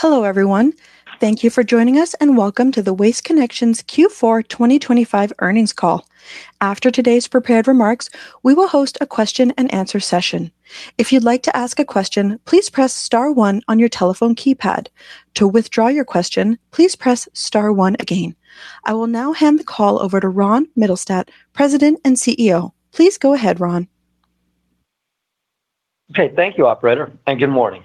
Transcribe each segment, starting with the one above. Hello, everyone. Thank you for joining us, and welcome to the Waste Connections Q4 2025 Earnings Call. After today's prepared remarks, we will host a question and answer session. If you'd like to ask a question, please press star one on your telephone keypad. To withdraw your question, please press star one again. I will now hand the call over to Ron Mittelstaedt, President and CEO. Please go ahead, Ron. Okay. Thank you, operator, and good morning.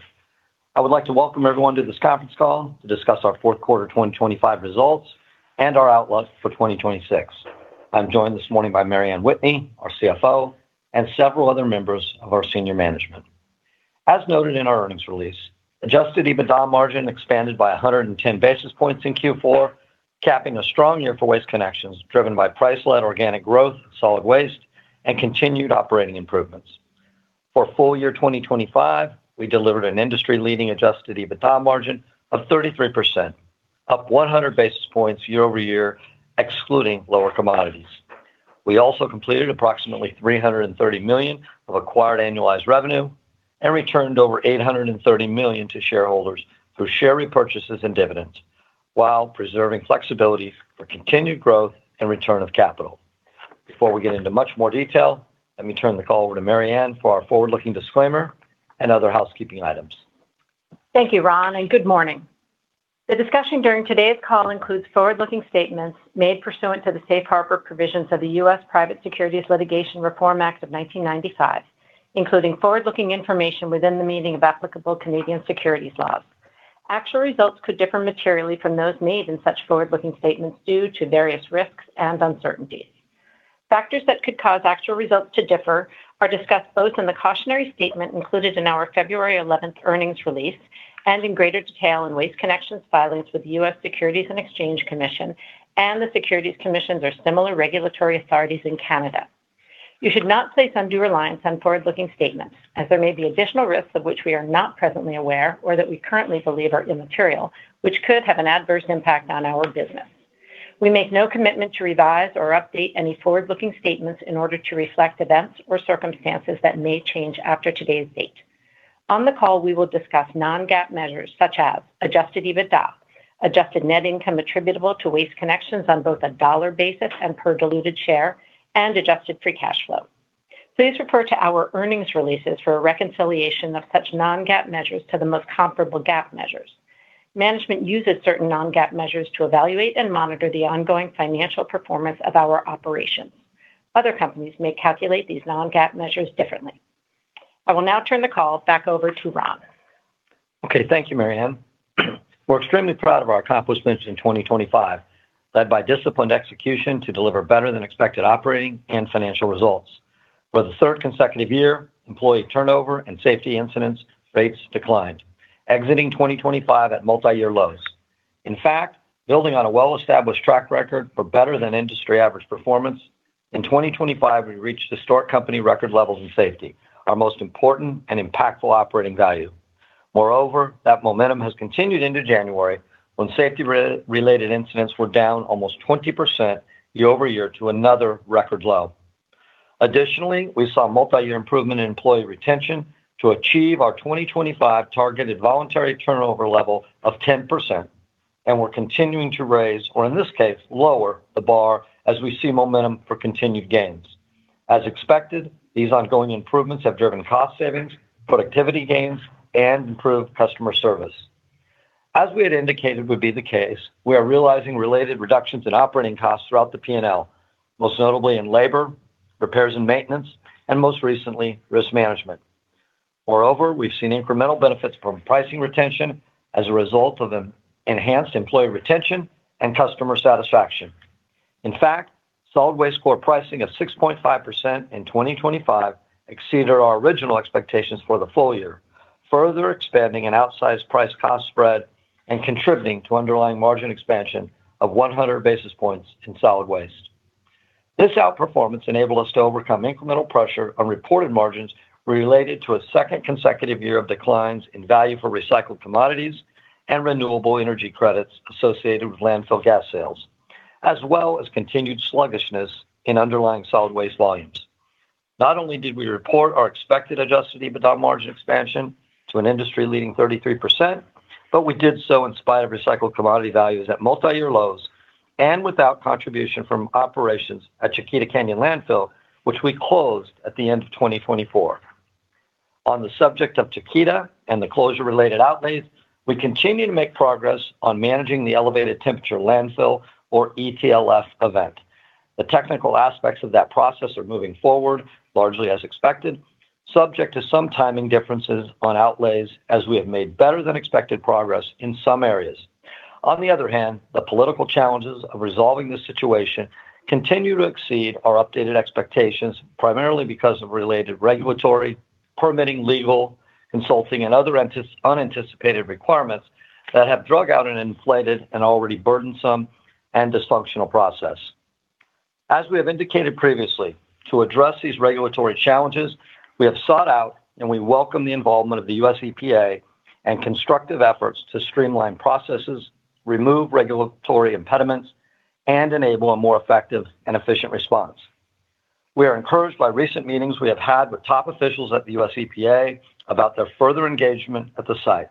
I would like to welcome everyone to this conference call to discuss our fourth quarter 2025 results and our outlook for 2026. I'm joined this morning by Mary Anne Whitney, our CFO, and several other members of our senior management. As noted in our earnings release, adjusted EBITDA margin expanded by 110 basis points in Q4, capping a strong year for Waste Connections, driven by price-led organic growth, solid waste, and continued operating improvements. For full year 2025, we delivered an industry-leading adjusted EBITDA margin of 33%, up 100 basis points year-over-year, excluding lower commodities. We also completed approximately $330 million of acquired annualized revenue and returned over $830 million to shareholders through share repurchases and dividends, while preserving flexibility for continued growth and return of capital. Before we get into much more detail, let me turn the call over to Mary Anne for our forward-looking disclaimer and other housekeeping items. Thank you, Ron, and good morning. The discussion during today's call includes forward-looking statements made pursuant to the Safe Harbor Provisions of the U.S. Private Securities Litigation Reform Act of 1995, including forward-looking information within the meaning of applicable Canadian securities laws. Actual results could differ materially from those made in such forward-looking statements due to various risks and uncertainties. Factors that could cause actual results to differ are discussed both in the cautionary statement included in our February eleventh earnings release and in greater detail in Waste Connections' filings with the U.S. Securities and Exchange Commission and the securities commissions or similar regulatory authorities in Canada. You should not place undue reliance on forward-looking statements as there may be additional risks of which we are not presently aware or that we currently believe are immaterial, which could have an adverse impact on our business. We make no commitment to revise or update any forward-looking statements in order to reflect events or circumstances that may change after today's date. On the call, we will discuss non-GAAP measures such as adjusted EBITDA, Adjusted net income attributable to Waste Connections on both a dollar basis and per diluted share, and adjusted free cash flow. Please refer to our earnings releases for a reconciliation of such non-GAAP measures to the most comparable GAAP measures. Management uses certain non-GAAP measures to evaluate and monitor the ongoing financial performance of our operations. Other companies may calculate these non-GAAP measures differently. I will now turn the call back over to Ron. Okay. Thank you, Mary Anne. We're extremely proud of our accomplishments in 2025, led by disciplined execution to deliver better-than-expected operating and financial results. For the third consecutive year, employee turnover and safety incidents rates declined, exiting 2025 at multiyear lows. In fact, building on a well-established track record for better-than-industry-average performance, in 2025, we reached historic company record levels in safety, our most important and impactful operating value. Moreover, that momentum has continued into January, when safety-related incidents were down almost 20% year-over-year to another record low. Additionally, we saw multiyear improvement in employee retention to achieve our 2025 targeted voluntary turnover level of 10%, and we're continuing to raise, or in this case, lower the bar as we see momentum for continued gains. As expected, these ongoing improvements have driven cost savings, productivity gains, and improved customer service. As we had indicated would be the case, we are realizing related reductions in operating costs throughout the P&L, most notably in labor, repairs and maintenance, and most recently, risk management. Moreover, we've seen incremental benefits from pricing retention as a result of an enhanced employee retention and customer satisfaction. In fact, solid waste core pricing of 6.5% in 2025 exceeded our original expectations for the full year, further expanding an outsized price-cost spread and contributing to underlying margin expansion of 100 basis points in solid waste. This outperformance enabled us to overcome incremental pressure on reported margins related to a second consecutive year of declines in value for recycled commodities and renewable energy credits associated with landfill gas sales, as well as continued sluggishness in underlying solid waste volumes. Not only did we report our expected adjusted EBITDA margin expansion to an industry-leading 33%, but we did so in spite of recycled commodity values at multiyear lows and without contribution from operations at Chiquita Canyon Landfill, which we closed at the end of 2024. On the subject of Chiquita and the closure-related outlays, we continue to make progress on managing the elevated temperature landfill or ETLF event. The technical aspects of that process are moving forward, largely as expected, subject to some timing differences on outlays as we have made better-than-expected progress in some areas. On the other hand, the political challenges of resolving this situation continue to exceed our updated expectations, primarily because of related regulatory, permitting, legal, consulting, and other unanticipated requirements that have dragged out and inflated an already burdensome and dysfunctional process. As we have indicated previously, to address these regulatory challenges, we have sought out and we welcome the involvement of the U.S. EPA and constructive efforts to streamline processes, remove regulatory impediments, and enable a more effective and efficient response. We are encouraged by recent meetings we have had with top officials at the U.S. EPA about their further engagement at the site.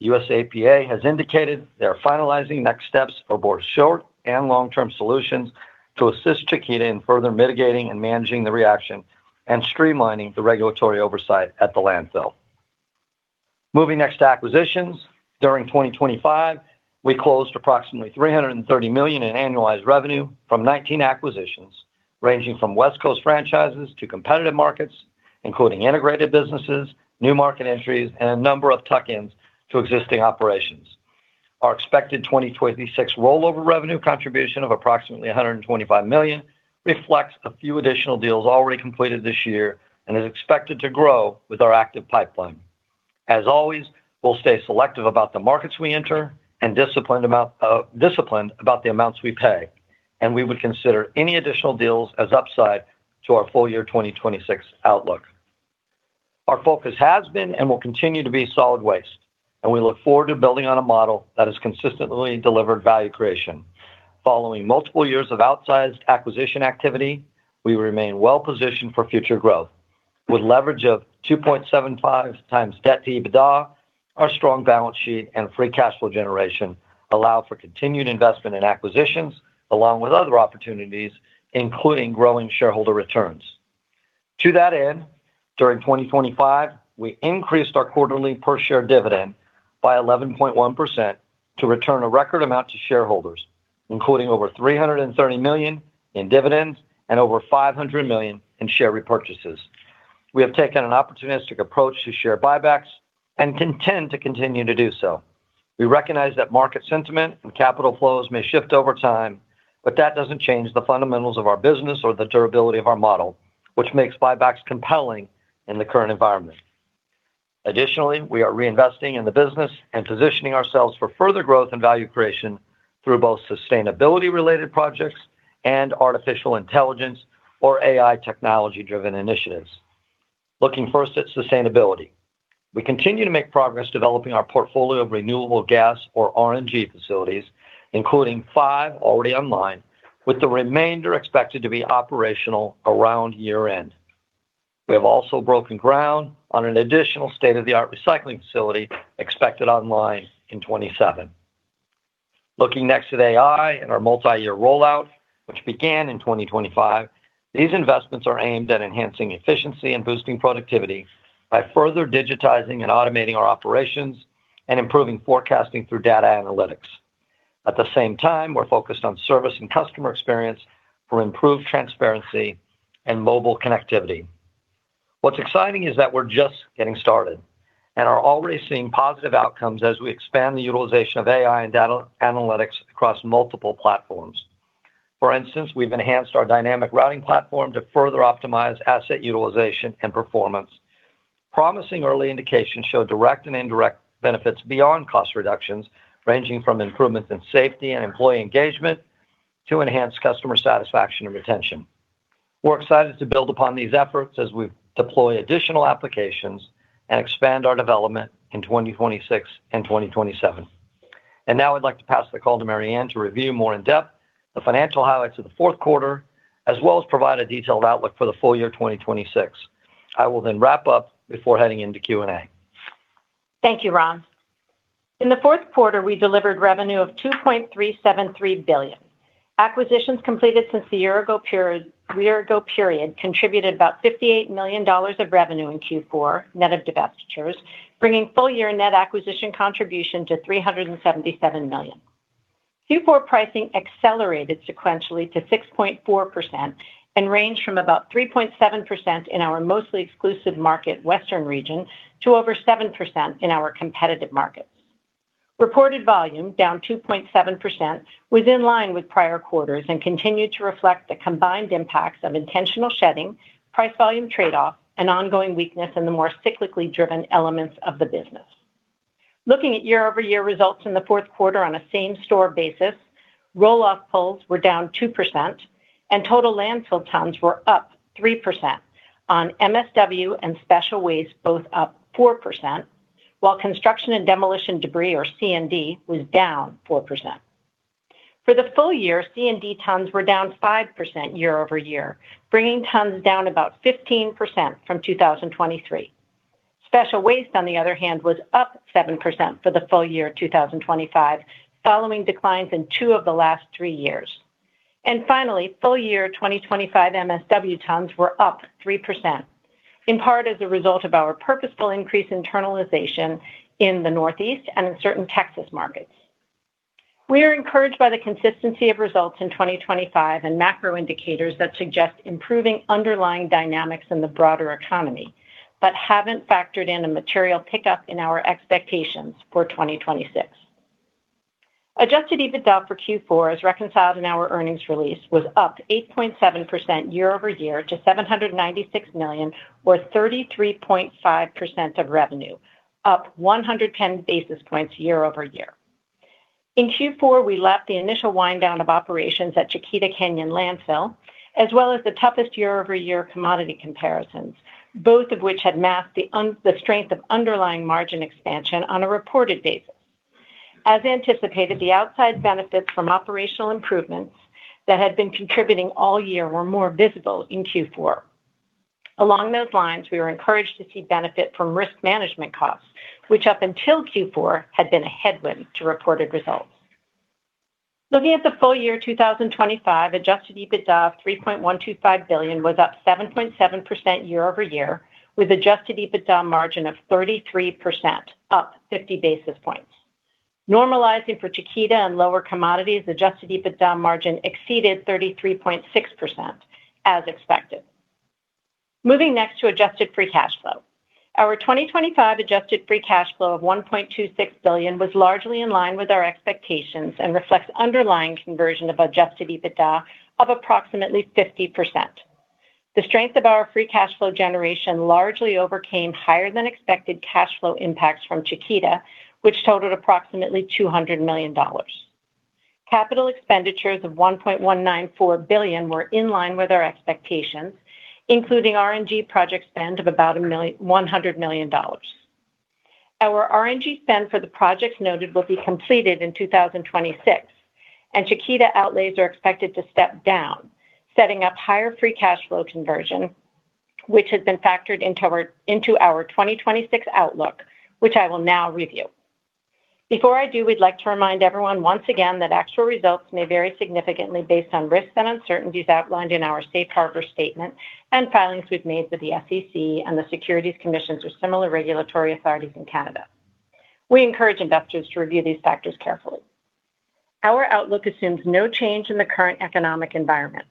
U.S. EPA has indicated they are finalizing next steps regarding short- and long-term solutions to assist Chiquita in further mitigating and managing the reaction and streamlining the regulatory oversight at the landfill. Moving next to acquisitions. During 2025, we closed approximately $330 million in annualized revenue from 19 acquisitions, ranging from West Coast franchises to competitive markets, including integrated businesses, new market entries, and a number of tuck-ins to existing operations. Our expected 2026 rollover revenue contribution of approximately $125 million reflects a few additional deals already completed this year and is expected to grow with our active pipeline. As always, we'll stay selective about the markets we enter and disciplined about the amounts we pay, and we would consider any additional deals as upside to our full year 2026 outlook. Our focus has been and will continue to be solid waste, and we look forward to building on a model that has consistently delivered value creation. Following multiple years of outsized acquisition activity, we remain well positioned for future growth. With leverage of 2.75x debt to EBITDA, our strong balance sheet and free cash flow generation allow for continued investment in acquisitions, along with other opportunities, including growing shareholder returns. To that end, during 2025, we increased our quarterly per share dividend by 11.1% to return a record amount to shareholders, including over $330 million in dividends and over $500 million in share repurchases. We have taken an opportunistic approach to share buybacks and contend to continue to do so. We recognize that market sentiment and capital flows may shift over time, but that doesn't change the fundamentals of our business or the durability of our model, which makes buybacks compelling in the current environment. Additionally, we are reinvesting in the business and positioning ourselves for further growth and value creation through both sustainability-related projects and artificial intelligence or AI technology-driven initiatives. Looking first at sustainability. We continue to make progress developing our portfolio of renewable gas or RNG facilities, including five already online, with the remainder expected to be operational around year-end. We have also broken ground on an additional state-of-the-art recycling facility expected online in 2027. Looking next at AI and our multi-year rollout, which began in 2025, these investments are aimed at enhancing efficiency and boosting productivity by further digitizing and automating our operations and improving forecasting through data analytics. At the same time, we're focused on service and customer experience for improved transparency and mobile connectivity. What's exciting is that we're just getting started and are already seeing positive outcomes as we expand the utilization of AI and data analytics across multiple platforms. For instance, we've enhanced our dynamic routing platform to further optimize asset utilization and performance. Promising early indications show direct and indirect benefits beyond cost reductions, ranging from improvements in safety and employee engagement to enhanced customer satisfaction and retention. We're excited to build upon these efforts as we deploy additional applications and expand our development in 2026 and 2027. Now I'd like to pass the call to Mary Anne to review more in depth the financial highlights of the fourth quarter, as well as provide a detailed outlook for the full year 2026. I will then wrap up before heading into Q&A. Thank you, Ron. In the fourth quarter, we delivered revenue of $2.373 billion. Acquisitions completed since the year ago period, year ago period contributed about $58 million of revenue in Q4, net of divestitures, bringing full year net acquisition contribution to $377 million. Q4 pricing accelerated sequentially to 6.4% and ranged from about 3.7% in our mostly exclusive market, Western region, to over 7% in our competitive markets. Reported volume, down 2.7%, was in line with prior quarters and continued to reflect the combined impacts of intentional shedding, price volume trade-off, and ongoing weakness in the more cyclically driven elements of the business. Looking at year-over-year results in the fourth quarter on a same-store basis, roll-off pulls were down 2% and total landfill tons were up 3% on MSW and special waste, both up 4%, while construction and demolition debris, or C&D, was down 4%. For the full year, C&D tons were down 5% year-over-year, bringing tons down about 15% from 2023. Special waste, on the other hand, was up 7% for the full year 2025, following declines in 2% of the last three years. Finally, full year 2025 MSW tons were up 3%, in part as a result of our purposeful increase internalization in the Northeast and in certain Texas markets. We are encouraged by the consistency of results in 2025 and macro indicators that suggest improving underlying dynamics in the broader economy, but haven't factored in a material pickup in our expectations for 2026. Adjusted EBITDA for Q4, as reconciled in our earnings release, was up 8.7% year-over-year to $796 million, or 33.5% of revenue, up 110 basis points year-over-year. In Q4, we lapped the initial wind down of operations at Chiquita Canyon Landfill, as well as the toughest year-over-year commodity comparisons, both of which had masked the strength of underlying margin expansion on a reported basis. As anticipated, the outside benefits from operational improvements that had been contributing all year were more visible in Q4. Along those lines, we were encouraged to see benefit from risk management costs, which up until Q4, had been a headwind to reported results. Looking at the full year 2025, adjusted EBITDA of $3.125 billion was up 7.7% year-over-year, with adjusted EBITDA margin of 33%, up 50 basis points. Normalizing for Chiquita and lower commodities, adjusted EBITDA margin exceeded 33.6% as expected. Moving next to adjusted free cash flow. Our 2025 adjusted free cash flow of $1.26 billion was largely in line with our expectations and reflects underlying conversion of adjusted EBITDA of approximately 50%. The strength of our free cash flow generation largely overcame higher than expected cash flow impacts from Chiquita, which totaled approximately $200 million. Capital expenditures of $1.194 billion were in line with our expectations, including RNG project spend of about $100 million. Our RNG spend for the projects noted will be completed in 2026, and Chiquita outlays are expected to step down, setting up higher free cash flow conversion, which has been factored into our 2026 outlook, which I will now review. Before I do, we'd like to remind everyone once again that actual results may vary significantly based on Risks and Uncertainties outlined in our Safe Harbor statement and filings we've made with the SEC and the Securities Commissions or similar regulatory authorities in Canada. We encourage investors to review these factors carefully. Our outlook assumes no change in the current economic environment.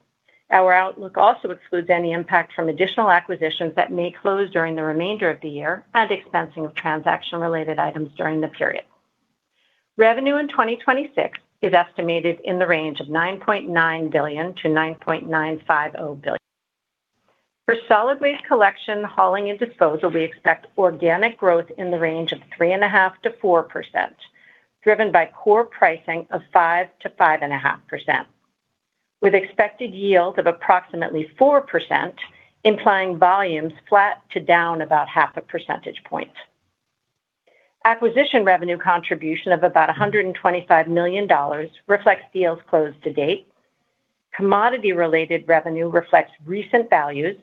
Our outlook also excludes any impact from additional acquisitions that may close during the remainder of the year and expensing of transaction-related items during the period. Revenue in 2026 is estimated in the range of $9.9 billion-$9.95 billion. For solid waste collection, hauling, and disposal, we expect organic growth in the range of 3.5%-4%, driven by core pricing of 5%-5.5%, with expected yields of approximately 4%, implying volumes flat to down about 0.5 percentage point. Acquisition revenue contribution of about $125 million reflects deals closed to date. Commodity-related revenue reflects recent values,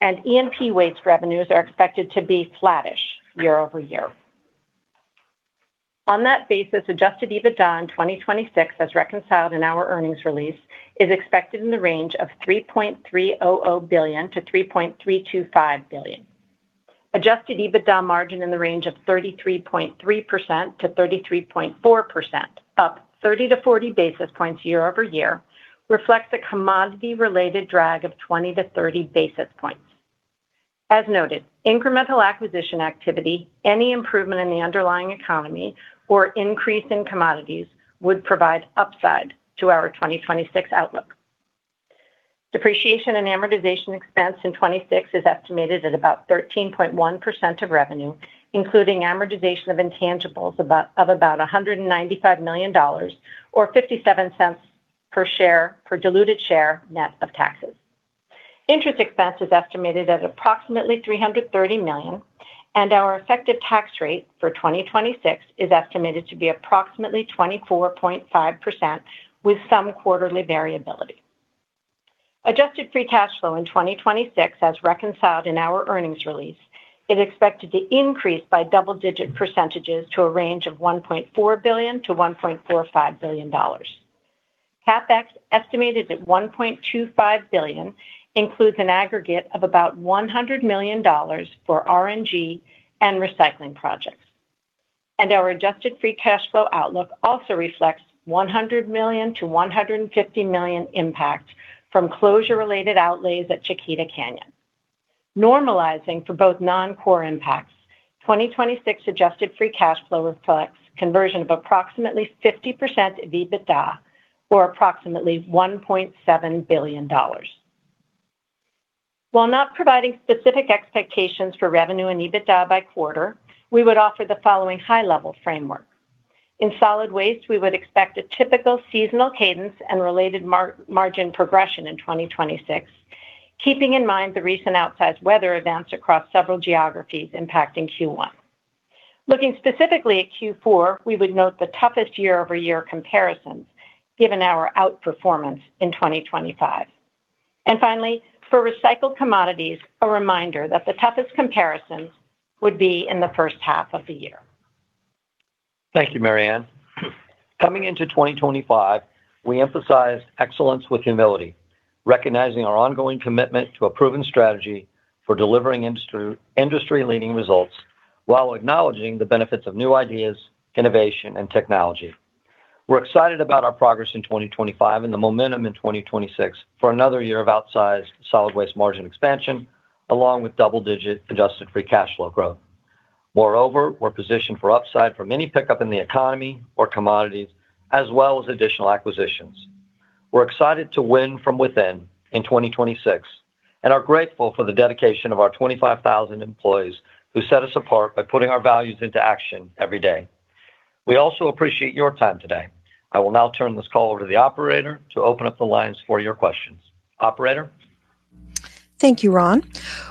and E&P waste revenues are expected to be flattish year-over-year. On that basis, adjusted EBITDA in 2026, as reconciled in our earnings release, is expected in the range of $3.300 billion-$3.325 billion. Adjusted EBITDA margin in the range of 33.3%-33.4%, up 30-40 basis points year-over-year, reflects a commodity-related drag of 20-30 basis points. As noted, incremental acquisition activity, any improvement in the underlying economy or increase in commodities would provide upside to our 2026 outlook. Depreciation and amortization expense in 2026 is estimated at about 13.1% of revenue, including amortization of intangibles of about $195 million or $0.57 per diluted share, net of taxes. Interest expense is estimated at approximately $330 million, and our effective tax rate for 2026 is estimated to be approximately 24.5%, with some quarterly variability. Adjusted free cash flow in 2026, as reconciled in our earnings release, is expected to increase by double-digit percentages to a range of $1.4 billion-$1.45 billion. CapEx, estimated at $1.25 billion, includes an aggregate of about $100 million for RNG and recycling projects. And our adjusted free cash flow outlook also reflects $100 million-$150 million impact from closure-related outlays at Chiquita Canyon. Normalizing for both non-core impacts, 2026 adjusted free cash flow reflects conversion of approximately 50% EBITDA, or approximately $1.7 billion. While not providing specific expectations for revenue and EBITDA by quarter, we would offer the following high-level framework. In solid waste, we would expect a typical seasonal cadence and related margin progression in 2026, keeping in mind the recent outsized weather events across several geographies impacting Q1. Looking specifically at Q4, we would note the toughest year-over-year comparisons given our outperformance in 2025. Finally, for recycled commodities, a reminder that the toughest comparisons would be in the first half of the year. Thank you, Mary Anne. Coming into 2025, we emphasized excellence with humility, recognizing our ongoing commitment to a proven strategy for delivering industry-leading results, while acknowledging the benefits of new ideas, innovation, and technology. We're excited about our progress in 2025 and the momentum in 2026 for another year of outsized solid waste margin expansion, along with double-digit adjusted free cash flow growth. Moreover, we're positioned for upside from any pickup in the economy or commodities, as well as additional acquisitions. We're excited to win from within in 2026 and are grateful for the dedication of our 25,000 employees who set us apart by putting our values into action every day. We also appreciate your time today. I will now turn this call over to the operator to open up the lines for your questions. Operator?... Thank you, Ron.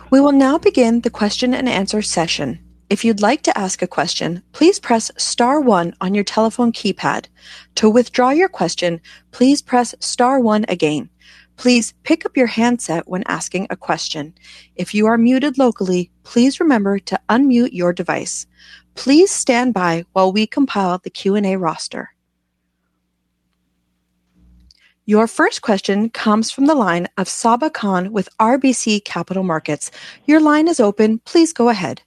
We will now begin the question and answer session. If you'd like to ask a question, please press star one on your telephone keypad. To withdraw your question, please press star one again. Please pick up your handset when asking a question. If you are muted locally, please remember to unmute your device. Please stand by while we compile the Q&A roster. Your first question comes from the line of Saba Khan with RBC Capital Markets. Your line is open. Please go ahead.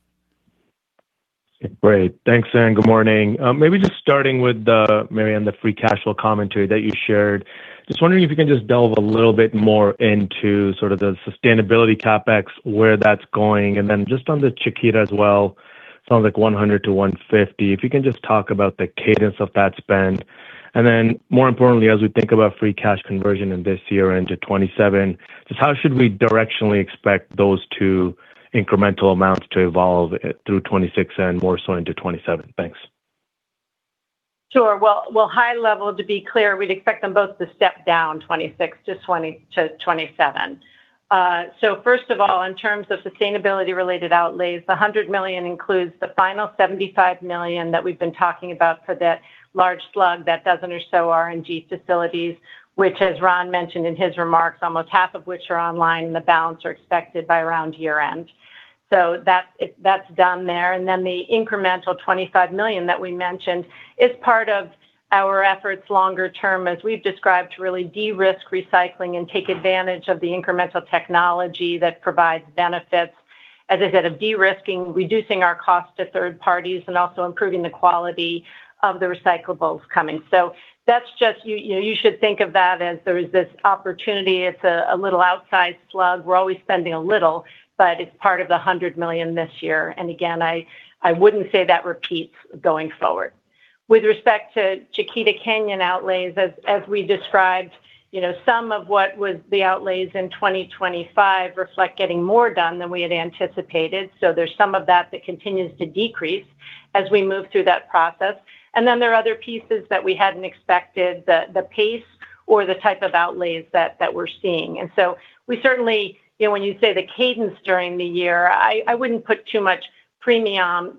Great. Thanks, and good morning. Maybe just starting with the, Mary Anne, the free cash flow commentary that you shared. Just wondering if you can just delve a little bit more into sort of the sustainability CapEx, where that's going, and then just on the Chiquita as well, sounds like $100-$150. If you can just talk about the cadence of that spend. And then, more importantly, as we think about free cash conversion in this year into 2027, just how should we directionally expect those two incremental amounts to evolve through 2026 and more so into 2027? Thanks. Sure. Well, high level, to be clear, we'd expect them both to step down 26-27. So first of all, in terms of sustainability-related outlays, the $100 million includes the final $75 million that we've been talking about for that large slug, that dozen or so RNG facilities, which, as Ron mentioned in his remarks, almost half of which are online, the balance are expected by around year-end. So that's done there. And then the incremental $25 million that we mentioned is part of our efforts longer term, as we've described, to really de-risk recycling and take advantage of the incremental technology that provides benefits, as I said, of de-risking, reducing our cost to third parties, and also improving the quality of the recyclables coming. So that's just... You should think of that as there is this opportunity. It's a little outsized slug. We're always spending a little, but it's part of the $100 million this year. And again, I wouldn't say that repeats going forward. With respect to Chiquita Canyon outlays, as we described, you know, some of what was the outlays in 2025 reflect getting more done than we had anticipated, so there's some of that continues to decrease as we move through that process. And then there are other pieces that we hadn't expected, the pace or the type of outlays that we're seeing. And so we certainly, you know, when you say the cadence during the year, I wouldn't put too much premium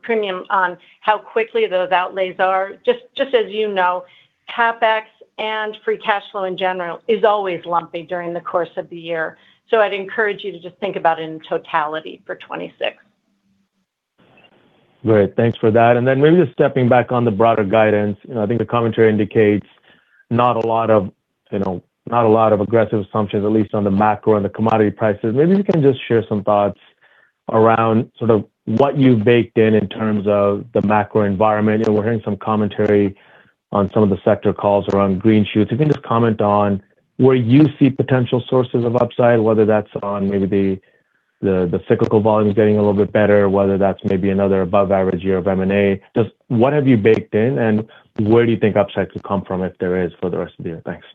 on how quickly those outlays are. Just as you know, CapEx and free cash flow in general is always lumpy during the course of the year. I'd encourage you to just think about it in totality for 2026. Great. Thanks for that. Then maybe just stepping back on the broader guidance, you know, I think the commentary indicates not a lot of, you know, not a lot of aggressive assumptions, at least on the macro and the commodity prices. Maybe you can just share some thoughts around sort of what you've baked in in terms of the macro environment. You know, we're hearing some commentary on some of the sector calls around green shoots. If you can just comment on where you see potential sources of upside, whether that's on maybe the cyclical volumes getting a little bit better, or whether that's maybe another above-average year of M&A. Just what have you baked in, and where do you think upside could come from, if there is, for the rest of the year? Thanks.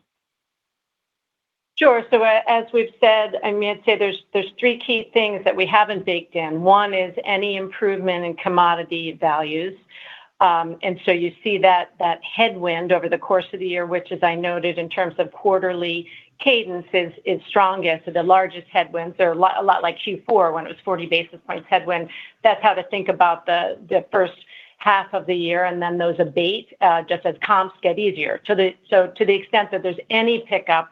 Sure. So as we've said, I mean, I'd say there's three key things that we haven't baked in. One is any improvement in commodity values. And so you see that headwind over the course of the year, which, as I noted in terms of quarterly cadence, is strongest. So the largest headwinds are a lot like Q4, when it was 40 basis points headwind. That's how to think about the first half of the year, and then those abate just as comps get easier. So to the extent that there's any pickup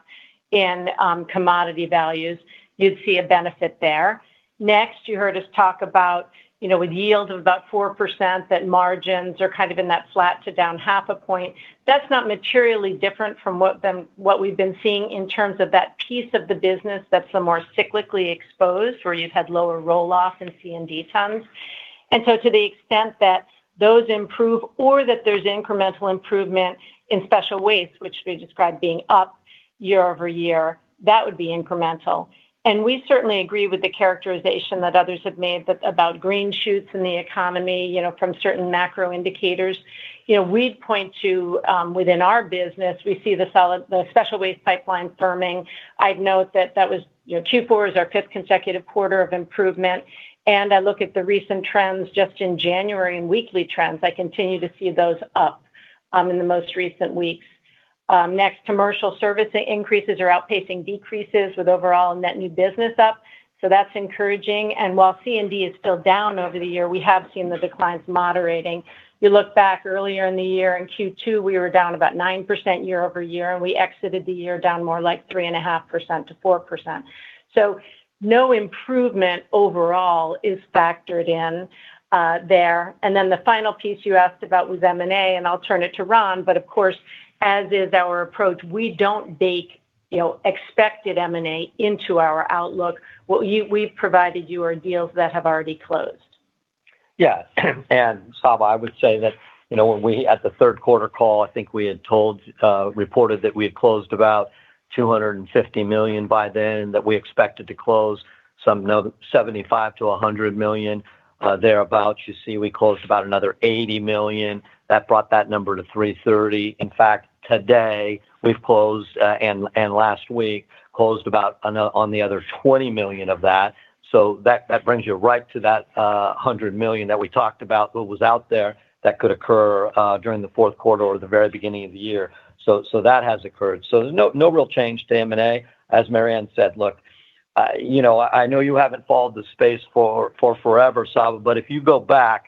in commodity values, you'd see a benefit there. Next, you heard us talk about, you know, with yield of about 4%, that margins are kind of in that flat to down 0.5 point. That's not materially different from what we've been seeing in terms of that piece of the business that's the more cyclically exposed, where you've had lower roll-off in C&D tons. And so to the extent that those improve or that there's incremental improvement in special waste, which we described being up year-over-year, that would be incremental. And we certainly agree with the characterization that others have made that about green shoots in the economy, you know, from certain macro indicators. You know, we'd point to within our business, we see the special waste pipeline firming. I'd note that that was, you know, Q4 is our fifth consecutive quarter of improvement, and I look at the recent trends just in January and weekly trends, I continue to see those up in the most recent weeks. Next, commercial servicing increases are outpacing decreases with overall net new business up, so that's encouraging. And while C&D is still down over the year, we have seen the declines moderating. You look back earlier in the year, in Q2, we were down about 9% year-over-year, and we exited the year down more like 3.5%-4%. So no improvement overall is factored in there. And then the final piece you asked about was M&A, and I'll turn it to Ron. But of course, as is our approach, we don't bake, you know, expected M&A into our outlook. What you-- we've provided you are deals that have already closed. Yes, and Saba, I would say that, you know, when we, at the third quarter call, I think we had told, reported that we had closed about $250 million by then, and that we expected to close some another $75 million-$100 million, thereabout. You see, we closed about another $80 million. That brought that number to $330 million. In fact, today, we've closed, and last week closed about another $20 million of that. So that brings you right to that $100 million that we talked about, that was out there, that could occur during the fourth quarter or the very beginning of the year. So that has occurred. So no real change to M&A. As Mary Anne said, look, you know, I know you haven't followed the space for forever, Saba, but if you go back-...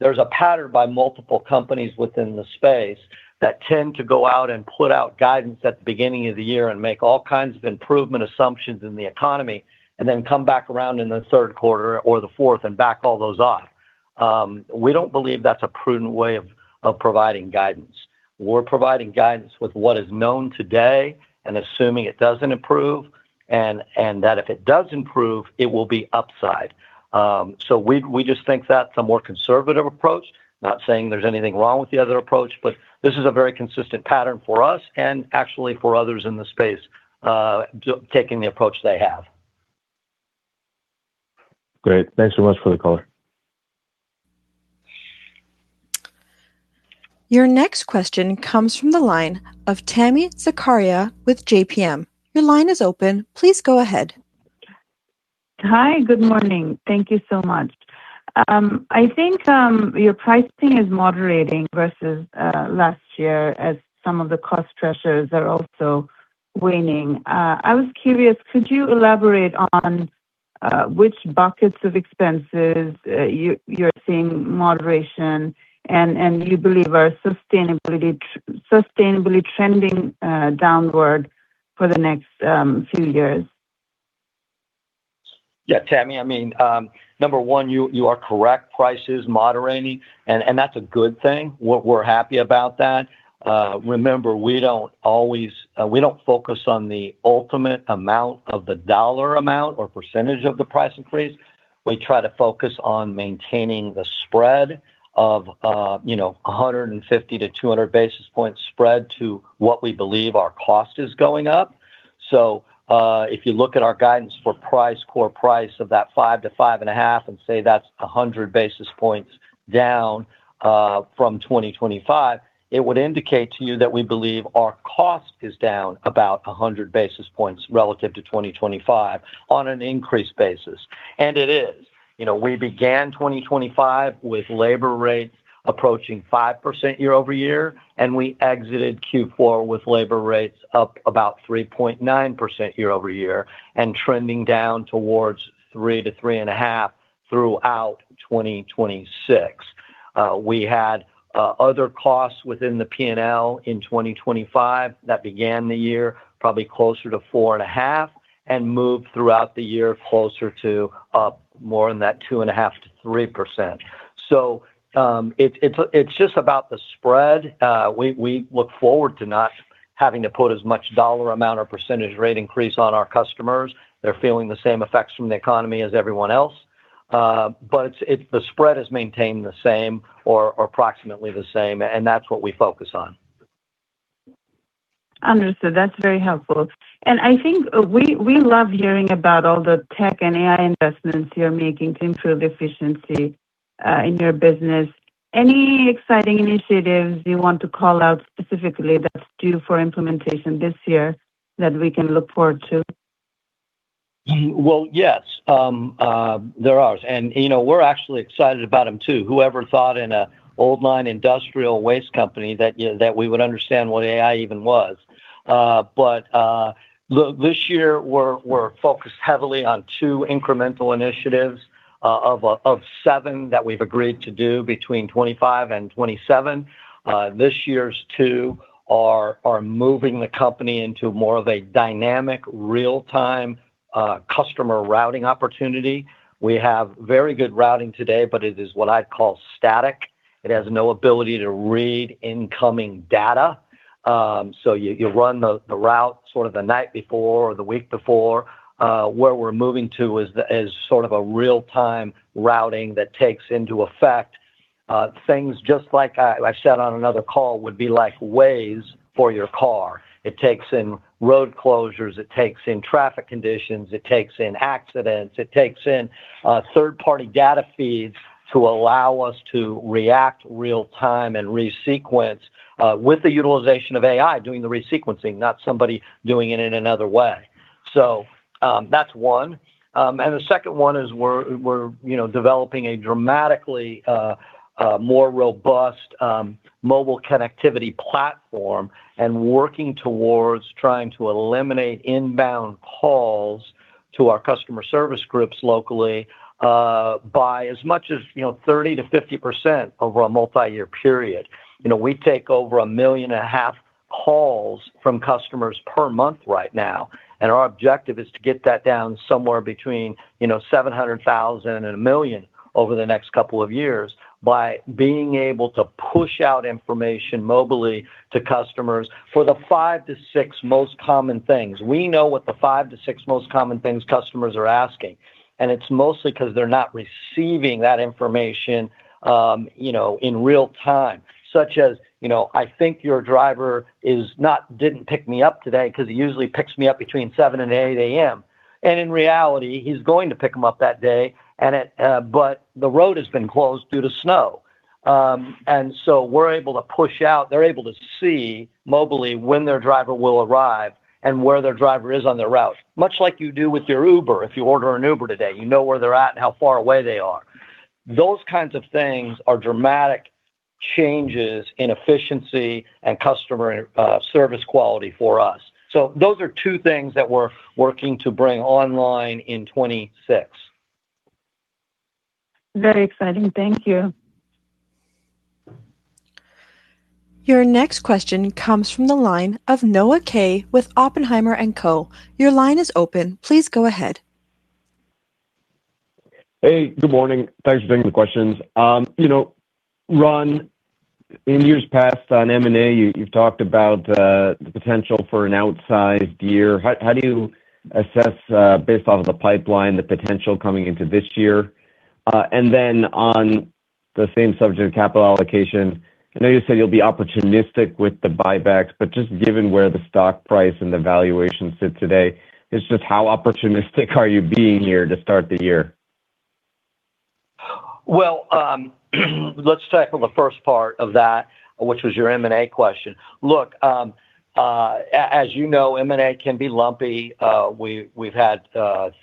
There's a pattern by multiple companies within the space that tend to go out and put out guidance at the beginning of the year and make all kinds of improvement assumptions in the economy, and then come back around in the third quarter or the fourth and back all those off. We don't believe that's a prudent way of providing guidance. We're providing guidance with what is known today and assuming it doesn't improve, and that if it does improve, it will be upside. So we just think that's a more conservative approach. Not saying there's anything wrong with the other approach, but this is a very consistent pattern for us and actually for others in the space, taking the approach they have. Great. Thanks so much for the call. Your next question comes from the line of Tami Zakaria with JPM. Your line is open. Please go ahead. Hi, good morning. Thank you so much. I think your pricing is moderating versus last year as some of the cost pressures are also waning. I was curious, could you elaborate on which buckets of expenses you're seeing moderation and you believe are sustainably trending downward for the next few years? Yeah, Tami, I mean, number one, you, you are correct, price is moderating, and, and that's a good thing. We're happy about that. Remember, we don't always—we don't focus on the ultimate amount of the dollar amount or percentage of the price increase. We try to focus on maintaining the spread of, you know, 150-200 basis points spread to what we believe our cost is going up. So, if you look at our guidance for price, core price of that 5%-5.5%, and say that's 100 basis points down, from 2025, it would indicate to you that we believe our cost is down about 100 basis points relative to 2025 on an increased basis, and it is. You know, we began 2025 with labor rates approaching 5% year-over-year, and we exited Q4 with labor rates up about 3.9% year-over-year and trending down towards 3%-3.5% throughout 2026. We had other costs within the P&L in 2025 that began the year, probably closer to 4.5%, and moved throughout the year, closer to more in that 2.5%-3%. So, it's just about the spread. We look forward to not having to put as much dollar amount or percentage rate increase on our customers. They're feeling the same effects from the economy as everyone else, but it's the spread has maintained the same or approximately the same, and that's what we focus on. Understood. That's very helpful. And I think we, we love hearing about all the tech and AI investments you're making to improve efficiency in your business. Any exciting initiatives you want to call out specifically that's due for implementation this year that we can look forward to? Well, yes, there are. And, you know, we're actually excited about them, too. Whoever thought in an old line industrial waste company that, you know, that we would understand what AI even was? But look, this year, we're focused heavily on two incremental initiatives of seven that we've agreed to do between 2025 and 2027. This year's two are moving the company into more of a dynamic, real-time customer routing opportunity. We have very good routing today, but it is what I'd call static. It has no ability to read incoming data. So you run the route sort of the night before or the week before. Where we're moving to is sort of a real-time routing that takes into effect things just like I said on another call, would be like Waze for your car. It takes in road closures, it takes in traffic conditions, it takes in accidents, it takes in third-party data feeds to allow us to react real-time and resequence with the utilization of AI doing the resequencing, not somebody doing it in another way. So, that's one. And the second one is we're you know, developing a dramatically more robust mobile connectivity platform and working towards trying to eliminate inbound calls to our customer service groups locally by as much as you know, 30%-50% over a multiyear period. You know, we take over 1.5 million calls from customers per month right now, and our objective is to get that down somewhere between, you know, 700,000 and 1 million over the next couple of years by being able to push out information mobile-ly to customers for the five to six most common things. We know what the five to six most common things customers are asking, and it's mostly because they're not receiving that information, you know, in real time. Such as, you know, "I think your driver didn't pick me up today because he usually picks me up between 7 and 8 A.M." And in reality, he's going to pick him up that day and it, but the road has been closed due to snow. And so we're able to push out. They're able to see mobile-ly when their driver will arrive and where their driver is on their route, much like you do with your Uber, if you order an Uber today. You know where they're at and how far away they are. Those kinds of things are dramatic changes in efficiency and customer service quality for us. So those are two things that we're working to bring online in 2026. Very exciting. Thank you. Your next question comes from the line of Noah Kaye with Oppenheimer & Co. Your line is open. Please go ahead. Hey, good morning. Thanks for taking the questions. You know, Ron, in years past, on M&A, you've talked about the potential for an outsized year. How do you assess, based off of the pipeline, the potential coming into this year? And then on the same subject, capital allocation, I know you said you'll be opportunistic with the buybacks, but just given where the stock price and the valuation sit today, it's just how opportunistic are you being here to start the year? Well, let's tackle the first part of that, which was your M&A question. Look, as you know, M&A can be lumpy. We've had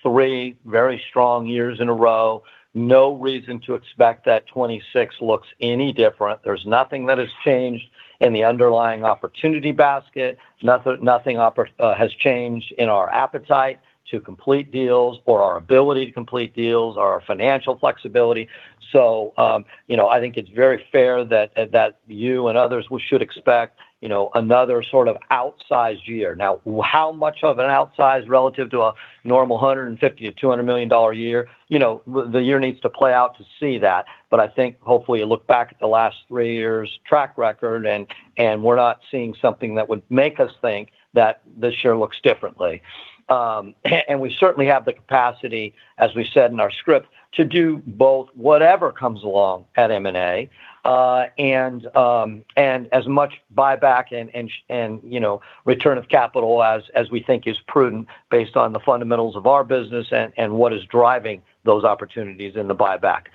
three very strong years in a row, no reason to expect that 2026 looks any different. There's nothing that has changed in the underlying opportunity basket. Nothing, nothing has changed in our appetite to complete deals or our ability to complete deals or our financial flexibility. So, you know, I think it's very fair that you and others, we should expect, you know, another sort of outsized year. Now, how much of an outsized relative to a normal $150 million-$200 million a year? You know, the year needs to play out to see that, but I think hopefully, you look back at the last three years' track record, and we're not seeing something that would make us think that this year looks differently. And we certainly have the capacity, as we said in our script, to do both, whatever comes along at M&A, and as much buyback and return of capital as we think is prudent based on the fundamentals of our business and what is driving those opportunities in the buyback.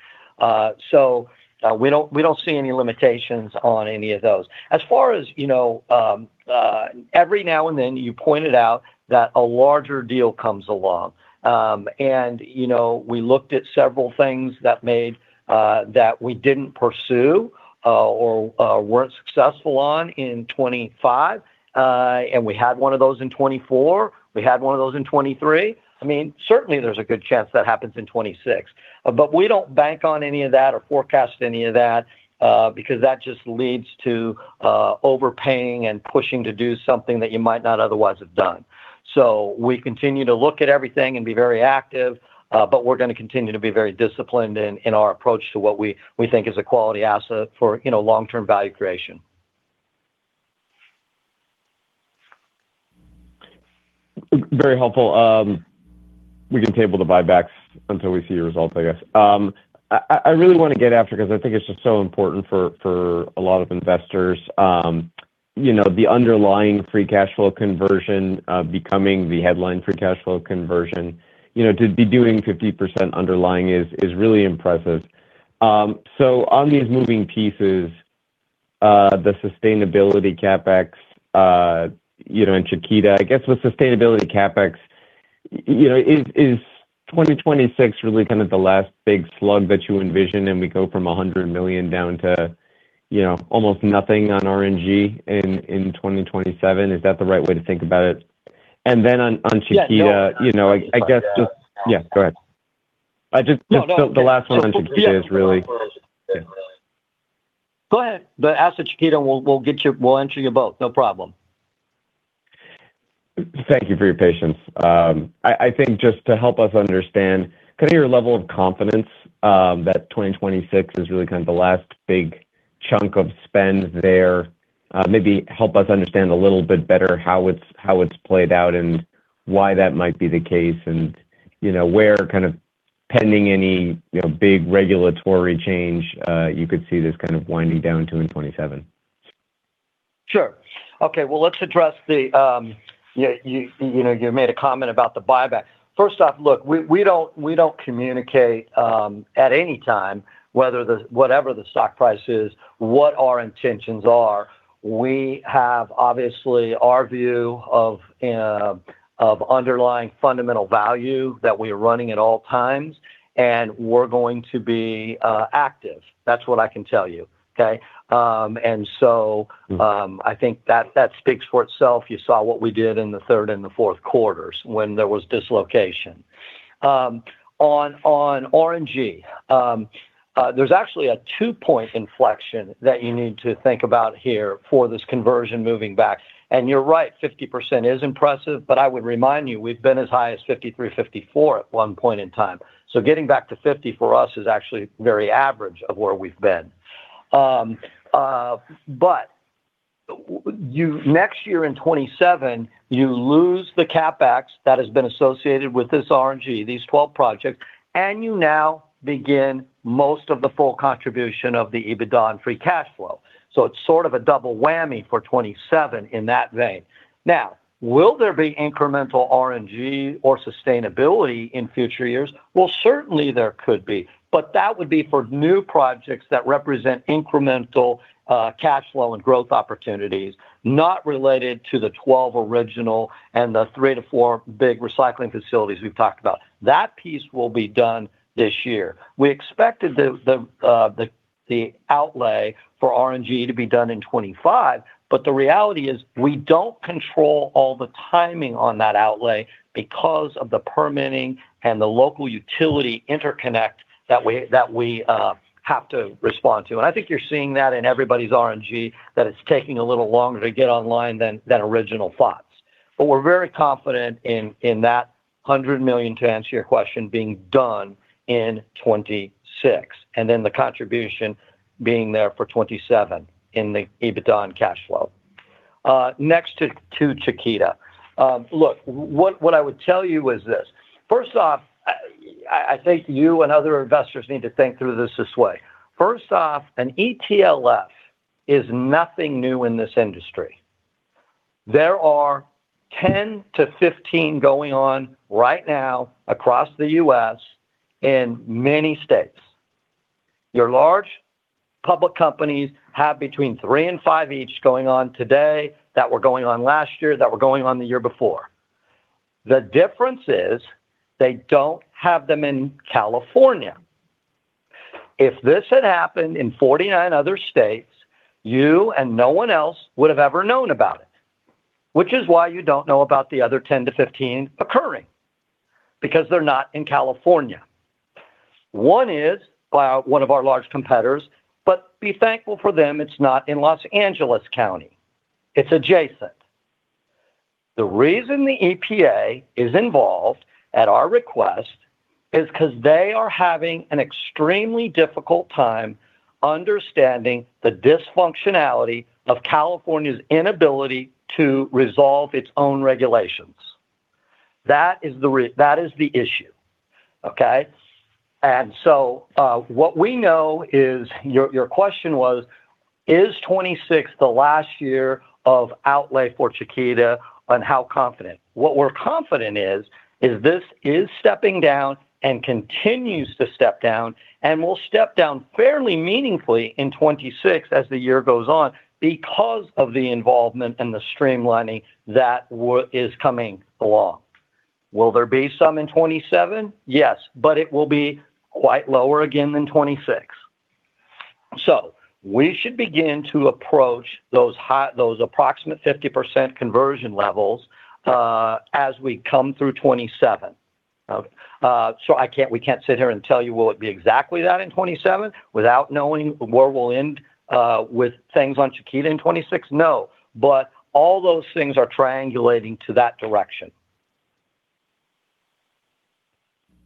So, we don't see any limitations on any of those. As far as, you know, every now and then, you pointed out that a larger deal comes along. And, you know, we looked at several things that made that we didn't pursue or weren't successful on in 2025. And we had one of those in 2024. We had one of those in 2023. I mean, certainly there's a good chance that happens in 2026. But we don't bank on any of that or forecast any of that, because that just leads to overpaying and pushing to do something that you might not otherwise have done. So we continue to look at everything and be very active, but we're gonna continue to be very disciplined in our approach to what we think is a quality asset for, you know, long-term value creation. Very helpful. We can table the buybacks until we see your results, I guess. I really wanna get after, because I think it's just so important for, for a lot of investors, you know, the underlying free cash flow conversion, becoming the headline free cash flow conversion. You know, to be doing 50% underlying is, is really impressive. So on these moving pieces, the sustainability CapEx, you know, and Chiquita, I guess with sustainability CapEx, you know, is, is 2026 really kind of the last big slug that you envision, and we go from $100 million down to, you know, almost nothing on RNG in, in 2027? Is that the right way to think about it? And then on, on Chiquita- Yeah, no- You know, I, I guess just... Yeah, go ahead. No, no. The last one on Chiquita is really- Go ahead. The ask on Chiquita, and we'll, we'll get you-- we'll answer you both. No problem. Thank you for your patience. I think just to help us understand, kind of, your level of confidence, that 2026 is really kind of the last big chunk of spend there. Maybe help us understand a little bit better how it's played out and why that might be the case, and, you know, where kind of pending any, you know, big regulatory change, you could see this kind of winding down to in 2027. Sure. Okay, well, let's address the yeah, you know, you made a comment about the buyback. First off, look, we don't communicate at any time, whether the whatever the stock price is, what our intentions are. We have, obviously, our view of underlying fundamental value that we are running at all times, and we're going to be active. That's what I can tell you, okay? And so- Mm-hmm. I think that, that speaks for itself. You saw what we did in the third and the fourth quarters when there was dislocation. On RNG, there's actually a two-point inflection that you need to think about here for this conversion moving back. And you're right, 50% is impressive, but I would remind you, we've been as high as 53, 54 at one point in time. So getting back to 50 for us is actually very average of where we've been. But next year in 2027, you lose the CapEx that has been associated with this RNG, these 12 projects, and you now begin most of the full contribution of the EBITDA and free cash flow. So it's sort of a double whammy for 2027 in that vein. Now, will there be incremental RNG or sustainability in future years? Well, certainly there could be, but that would be for new projects that represent incremental, cash flow and growth opportunities not related to the 12 original and the three to four big recycling facilities we've talked about. That piece will be done this year. We expected the outlay for RNG to be done in 2025, but the reality is, we don't control all the timing on that outlay because of the permitting and the local utility interconnect that we have to respond to. And I think you're seeing that in everybody's RNG, that it's taking a little longer to get online than original thoughts. But we're very confident in that $100 million, to answer your question, being done in 2026, and then the contribution being there for 2027 in the EBITDA and cash flow. Next to Chiquita. Look, what I would tell you is this: first off, I think you and other investors need to think through this way. First off, an ETLF is nothing new in this industry. There are 10-15 going on right now across the U.S. in many states. Your large public companies have between three and five each going on today, that were going on last year, that were going on the year before. The difference is they don't have them in California. If this had happened in 49 other states, you and no one else would have ever known about it, which is why you don't know about the other 10-15 occurring, because they're not in California. One is by one of our large competitors, but be thankful for them, it's not in Los Angeles County, it's adjacent. The reason the EPA is involved at our request is 'cause they are having an extremely difficult time understanding the dysfunctionality of California's inability to resolve its own regulations. That is the issue, okay? And so, what we know is... Your, your question was, is 2026 the last year of outlay for Chiquita, and how confident? What we're confident is, is this is stepping down and continues to step down, and will step down fairly meaningfully in 2026 as the year goes on because of the involvement and the streamlining that is coming along. Will there be some in 2027? Yes, but it will be quite lower again than 2026. So we should begin to approach those approximate 50% conversion levels, as we come through 2027. So, we can't sit here and tell you, will it be exactly that in 2027 without knowing where we'll end with things on Chiquita in 2026? No, but all those things are triangulating to that direction.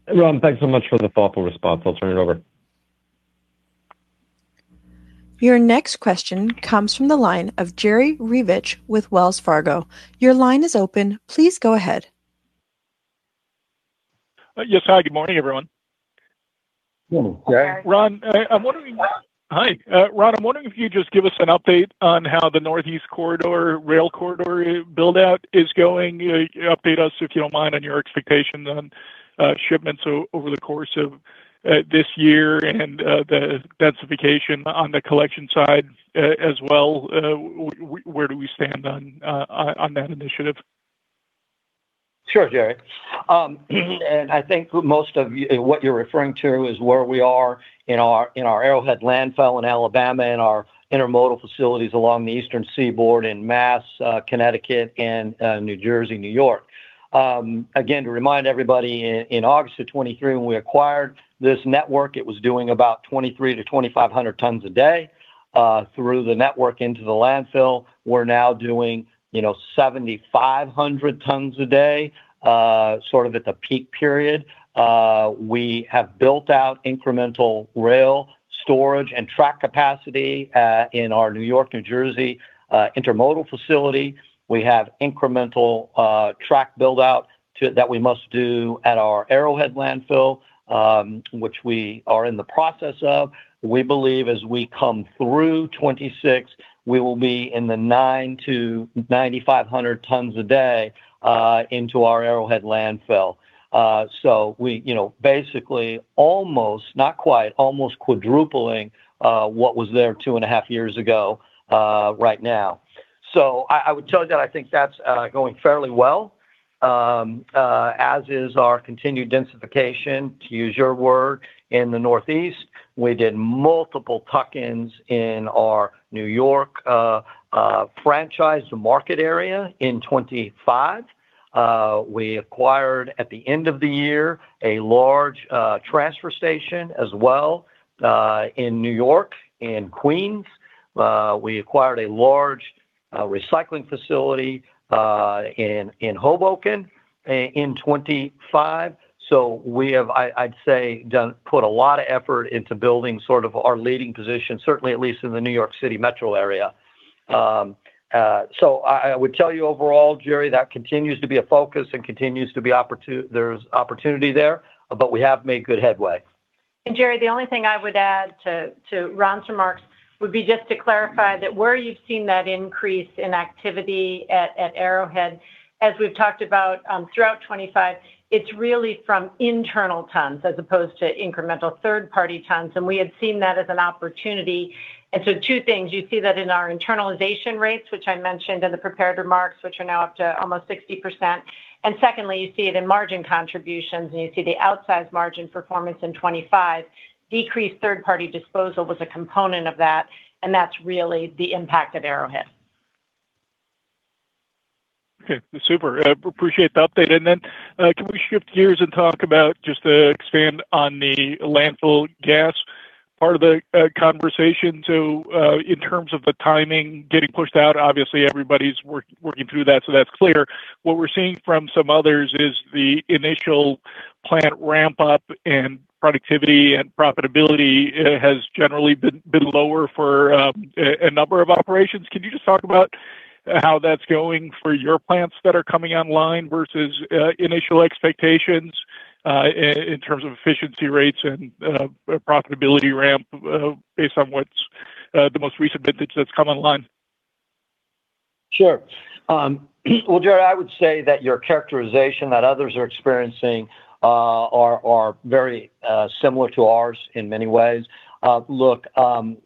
Ron, thanks so much for the thoughtful response. I'll turn it over. Your next question comes from the line of Jerry Revich with Wells Fargo. Your line is open. Please go ahead. Yes. Hi, good morning, everyone. Good morning, Jerry. Ron, I'm wondering... Hi, Ron, I'm wondering if you just give us an update on how the Northeast Corridor, rail corridor build-out is going. Update us, if you don't mind, on your expectations on shipments over the course of this year and the densification on the collection side, as well. Where do we stand on that initiative? Sure, Jerry. And I think most of you, what you're referring to is where we are in our Arrowhead Landfill in Alabama and our intermodal facilities along the eastern seaboard in Mass, Connecticut, and New Jersey, New York. Again, to remind everybody, in August of 2023, when we acquired this network, it was doing about 2,300-2,500 tons a day through the network into the landfill. We're now doing, you know, 7,500 tons a day sort of at the peak period. We have built out incremental rail storage and track capacity in our New York, New Jersey intermodal facility. We have incremental track build-out that we must do at our Arrowhead Landfill, which we are in the process of. We believe as we come through 2026, we will be in the 9,000-9,500 tons a day into our Arrowhead Landfill. So we, you know, basically, almost, not quite, almost quadrupling what was there two and a half years ago right now. So I would tell you that I think that's going fairly well as is our continued densification, to use your word, in the Northeast. We did multiple tuck-ins in our New York franchise market area in 2025. We acquired, at the end of the year, a large transfer station as well in New York and Queens. We acquired a large recycling facility in Hoboken in 2025. So we have, I'd say, put a lot of effort into building sort of our leading position, certainly at least in the New York City metro area. So I would tell you overall, Jerry, that continues to be a focus and continues to be opportunity. There's opportunity there, but we have made good headway. Jerry, the only thing I would add to, to Ron's remarks would be just to clarify that where you've seen that increase in activity at, at Arrowhead, as we've talked about, throughout 2025, it's really from internal tons as opposed to incremental third-party tons, and we had seen that as an opportunity. And so two things: you see that in our internalization rates, which I mentioned in the prepared remarks, which are now up to almost 60%. And secondly, you see it in margin contributions, and you see the outsized margin performance in 2025. Decreased third-party disposal was a component of that, and that's really the impact of Arrowhead.... Okay, super. Appreciate the update. And then, can we shift gears and talk about just to expand on the landfill gas part of the conversation? So, in terms of the timing getting pushed out, obviously, everybody's working through that, so that's clear. What we're seeing from some others is the initial plant ramp-up and productivity and profitability has generally been lower for a number of operations. Can you just talk about how that's going for your plants that are coming online versus initial expectations in terms of efficiency rates and profitability ramp based on what's the most recent vintage that's come online? Sure. Well, Jerry, I would say that your characterization that others are experiencing are very similar to ours in many ways. Look,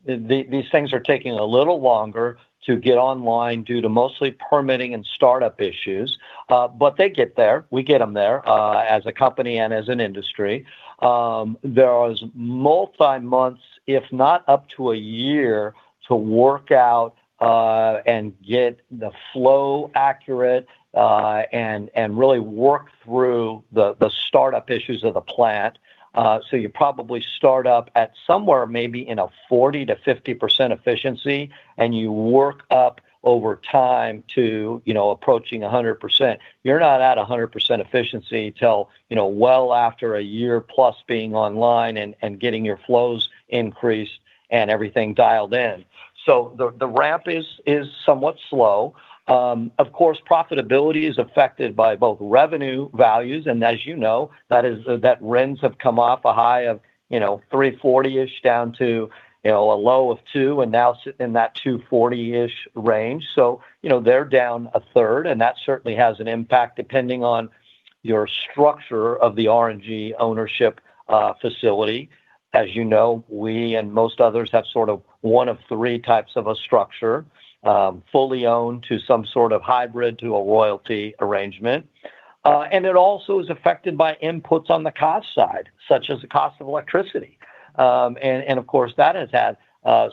these things are taking a little longer to get online due to mostly permitting and startup issues, but they get there. We get them there, as a company and as an industry. There is multi-months, if not up to a year, to work out and get the flow accurate and really work through the startup issues of the plant. So you probably start up at somewhere maybe in a 40%-50% efficiency, and you work up over time to, you know, approaching 100%. You're not at 100% efficiency till, you know, well after a year-plus being online and getting your flows increased and everything dialed in. So the ramp is somewhat slow. Of course, profitability is affected by both revenue values, and as you know, that is, that RINs have come off a high of, you know, $3.40-ish down to, you know, a low of $2, and now sitting in that $2.40-ish range. So, you know, they're down a 1/3, and that certainly has an impact, depending on your structure of the RNG ownership, facility. As you know, we and most others have sort of one of three types of a structure, fully owned to some sort of hybrid, to a royalty arrangement. And it also is affected by inputs on the cost side, such as the cost of electricity. And, of course, that has had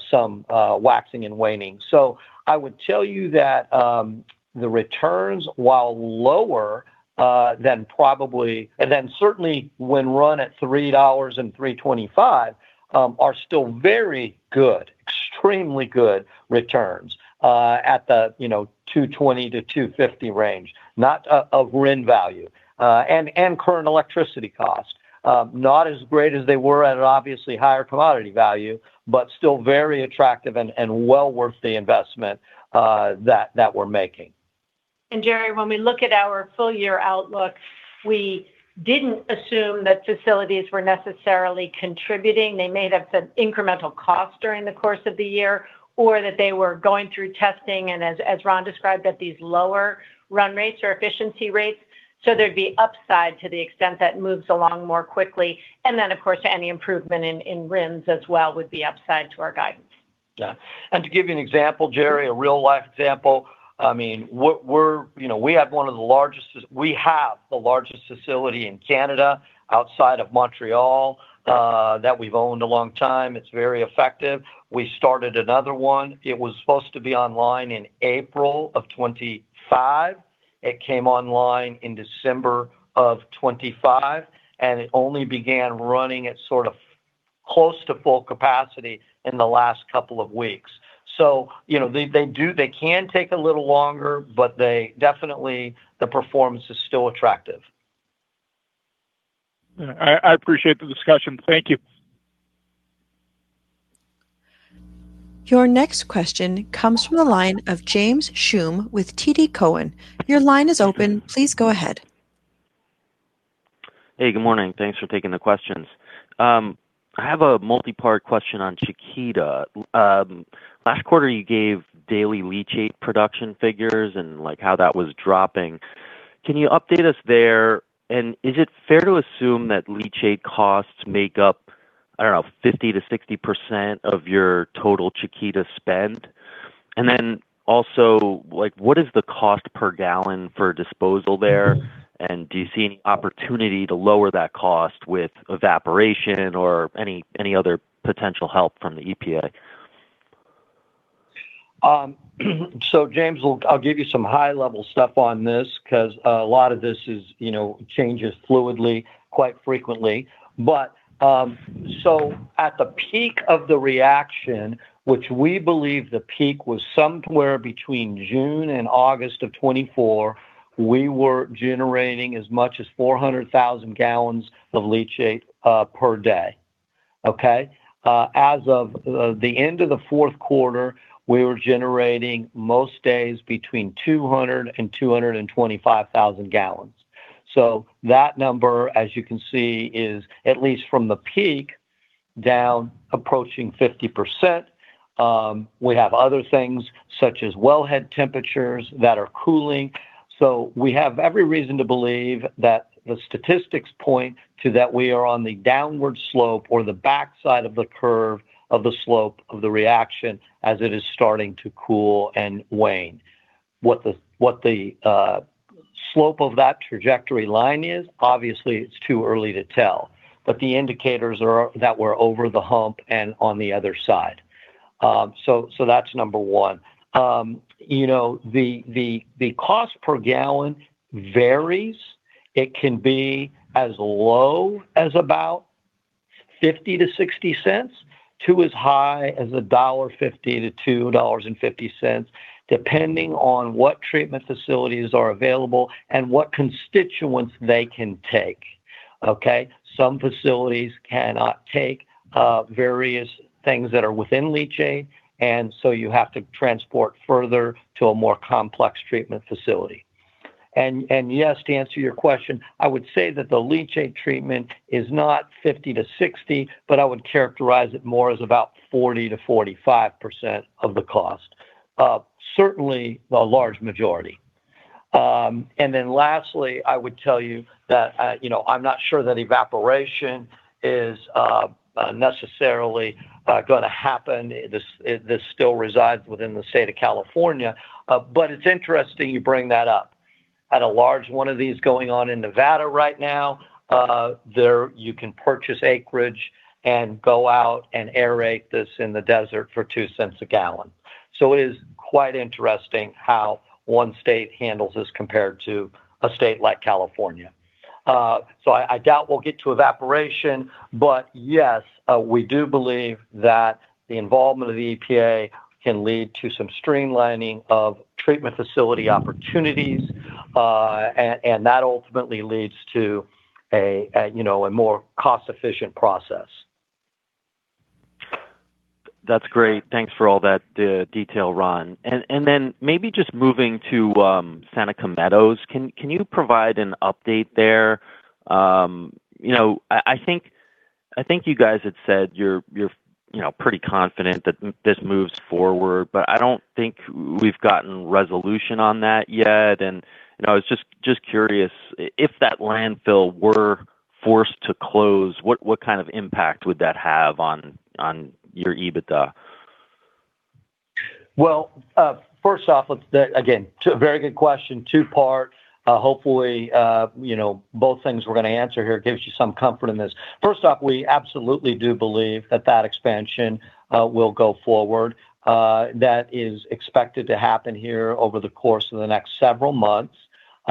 some waxing and waning. So I would tell you that the returns, while lower than probably—and then certainly when run at $3 and $3.25, are still very good, extremely good returns at the, you know, $2.20-$2.50 range, not of RIN value and current electricity costs. Not as great as they were at an obviously higher commodity value, but still very attractive and well worth the investment that we're making. Jerry, when we look at our full year outlook, we didn't assume that facilities were necessarily contributing. They may have been incremental costs during the course of the year, or that they were going through testing, and as Ron described, at these lower run rates or efficiency rates. So there'd be upside to the extent that moves along more quickly. And then, of course, any improvement in RINs as well would be upside to our guidance. Yeah. And to give you an example, Jerry, a real-life example, I mean, what we're—you know, we have one of the largest—we have the largest facility in Canada outside of Montreal that we've owned a long time. It's very effective. We started another one. It was supposed to be online in April of 2025. It came online in December of 2025, and it only began running at sort of close to full capacity in the last couple of weeks. So you know, they can take a little longer, but they definitely, the performance is still attractive. Yeah. I, I appreciate the discussion. Thank you. Your next question comes from the line of James Schumm with TD Cowen. Your line is open. Please go ahead. Hey, good morning. Thanks for taking the questions. I have a multi-part question on Chiquita. Last quarter, you gave daily leachate production figures and, like, how that was dropping. Can you update us there? And is it fair to assume that leachate costs make up, I don't know, 50%-60% of your total Chiquita spend? And then also, like, what is the cost per gallon for disposal there? And do you see any opportunity to lower that cost with evaporation or any, any other potential help from the EPA? So, James, look, I'll give you some high-level stuff on this because a lot of this is, you know, changes fluidly quite frequently. But, so at the peak of the reaction, which we believe the peak was somewhere between June and August of 2024, we were generating as much as 400,000 gal of leachate per day. Okay? As of the end of the fourth quarter, we were generating most day between 200,000 and 225,000 gal. So that number, as you can see, is at least from the peak, down approaching 50%. We have other things, such as wellhead temperatures that are cooling. So we have every reason to believe that the statistics point to that we are on the downward slope or the backside of the curve of the slope of the reaction as it is starting to cool and wane. What the slope of that trajectory line is, obviously, it's too early to tell, but the indicators are that we're over the hump and on the other side. So that's number one. You know, the cost per gallon varies. It can be as low as about $0.50-$0.60, to as high as $1.50-$2.50, depending on what treatment facilities are available and what constituents they can take, okay? Some facilities cannot take various things that are within leachate, and so you have to transport further to a more complex treatment facility. And yes, to answer your question, I would say that the leachate treatment is not 50-60, but I would characterize it more as about 40%-45% of the cost. Certainly the large majority. And then lastly, I would tell you that, you know, I'm not sure that evaporation is necessarily gonna happen. This still resides within the state of California, but it's interesting you bring that up. Had a large one of these going on in Nevada right now, there you can purchase acreage and go out and aerate this in the desert for $0.02 a gallon. So it is quite interesting how one state handles this compared to a state like California. So I doubt we'll get to evaporation, but yes, we do believe that the involvement of the EPA can lead to some streamlining of treatment facility opportunities, and that ultimately leads to, you know, a more cost-efficient process. That's great. Thanks for all that detail, Ron. And then maybe just moving to Seneca Meadows, can you provide an update there? You know, I think you guys had said you're you know pretty confident that this moves forward, but I don't think we've gotten resolution on that yet. And I was just curious if that landfill were forced to close, what kind of impact would that have on your EBITDA? Well, first off, again, two very good question, two-part. Hopefully, you know, both things we're gonna answer here gives you some comfort in this. First off, we absolutely do believe that that expansion will go forward. That is expected to happen here over the course of the next several months.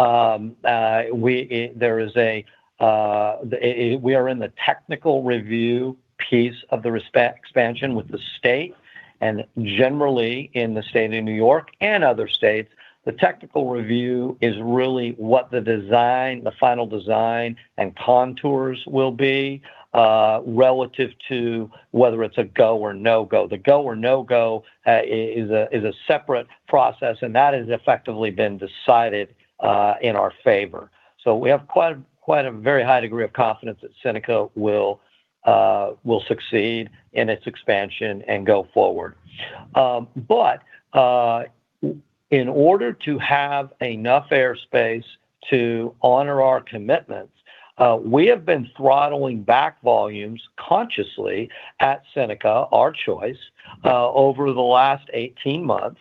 We are in the technical review piece of the expansion with the state, and generally in the state of New York and other states, the technical review is really what the design, the final design and contours will be relative to whether it's a go or no-go. The go or no-go is a separate process, and that has effectively been decided in our favor. So we have quite, quite a very high degree of confidence that Seneca will will succeed in its expansion and go forward. But in order to have enough airspace to honor our commitments, we have been throttling back volumes consciously at Seneca, our choice, over the last 18 months.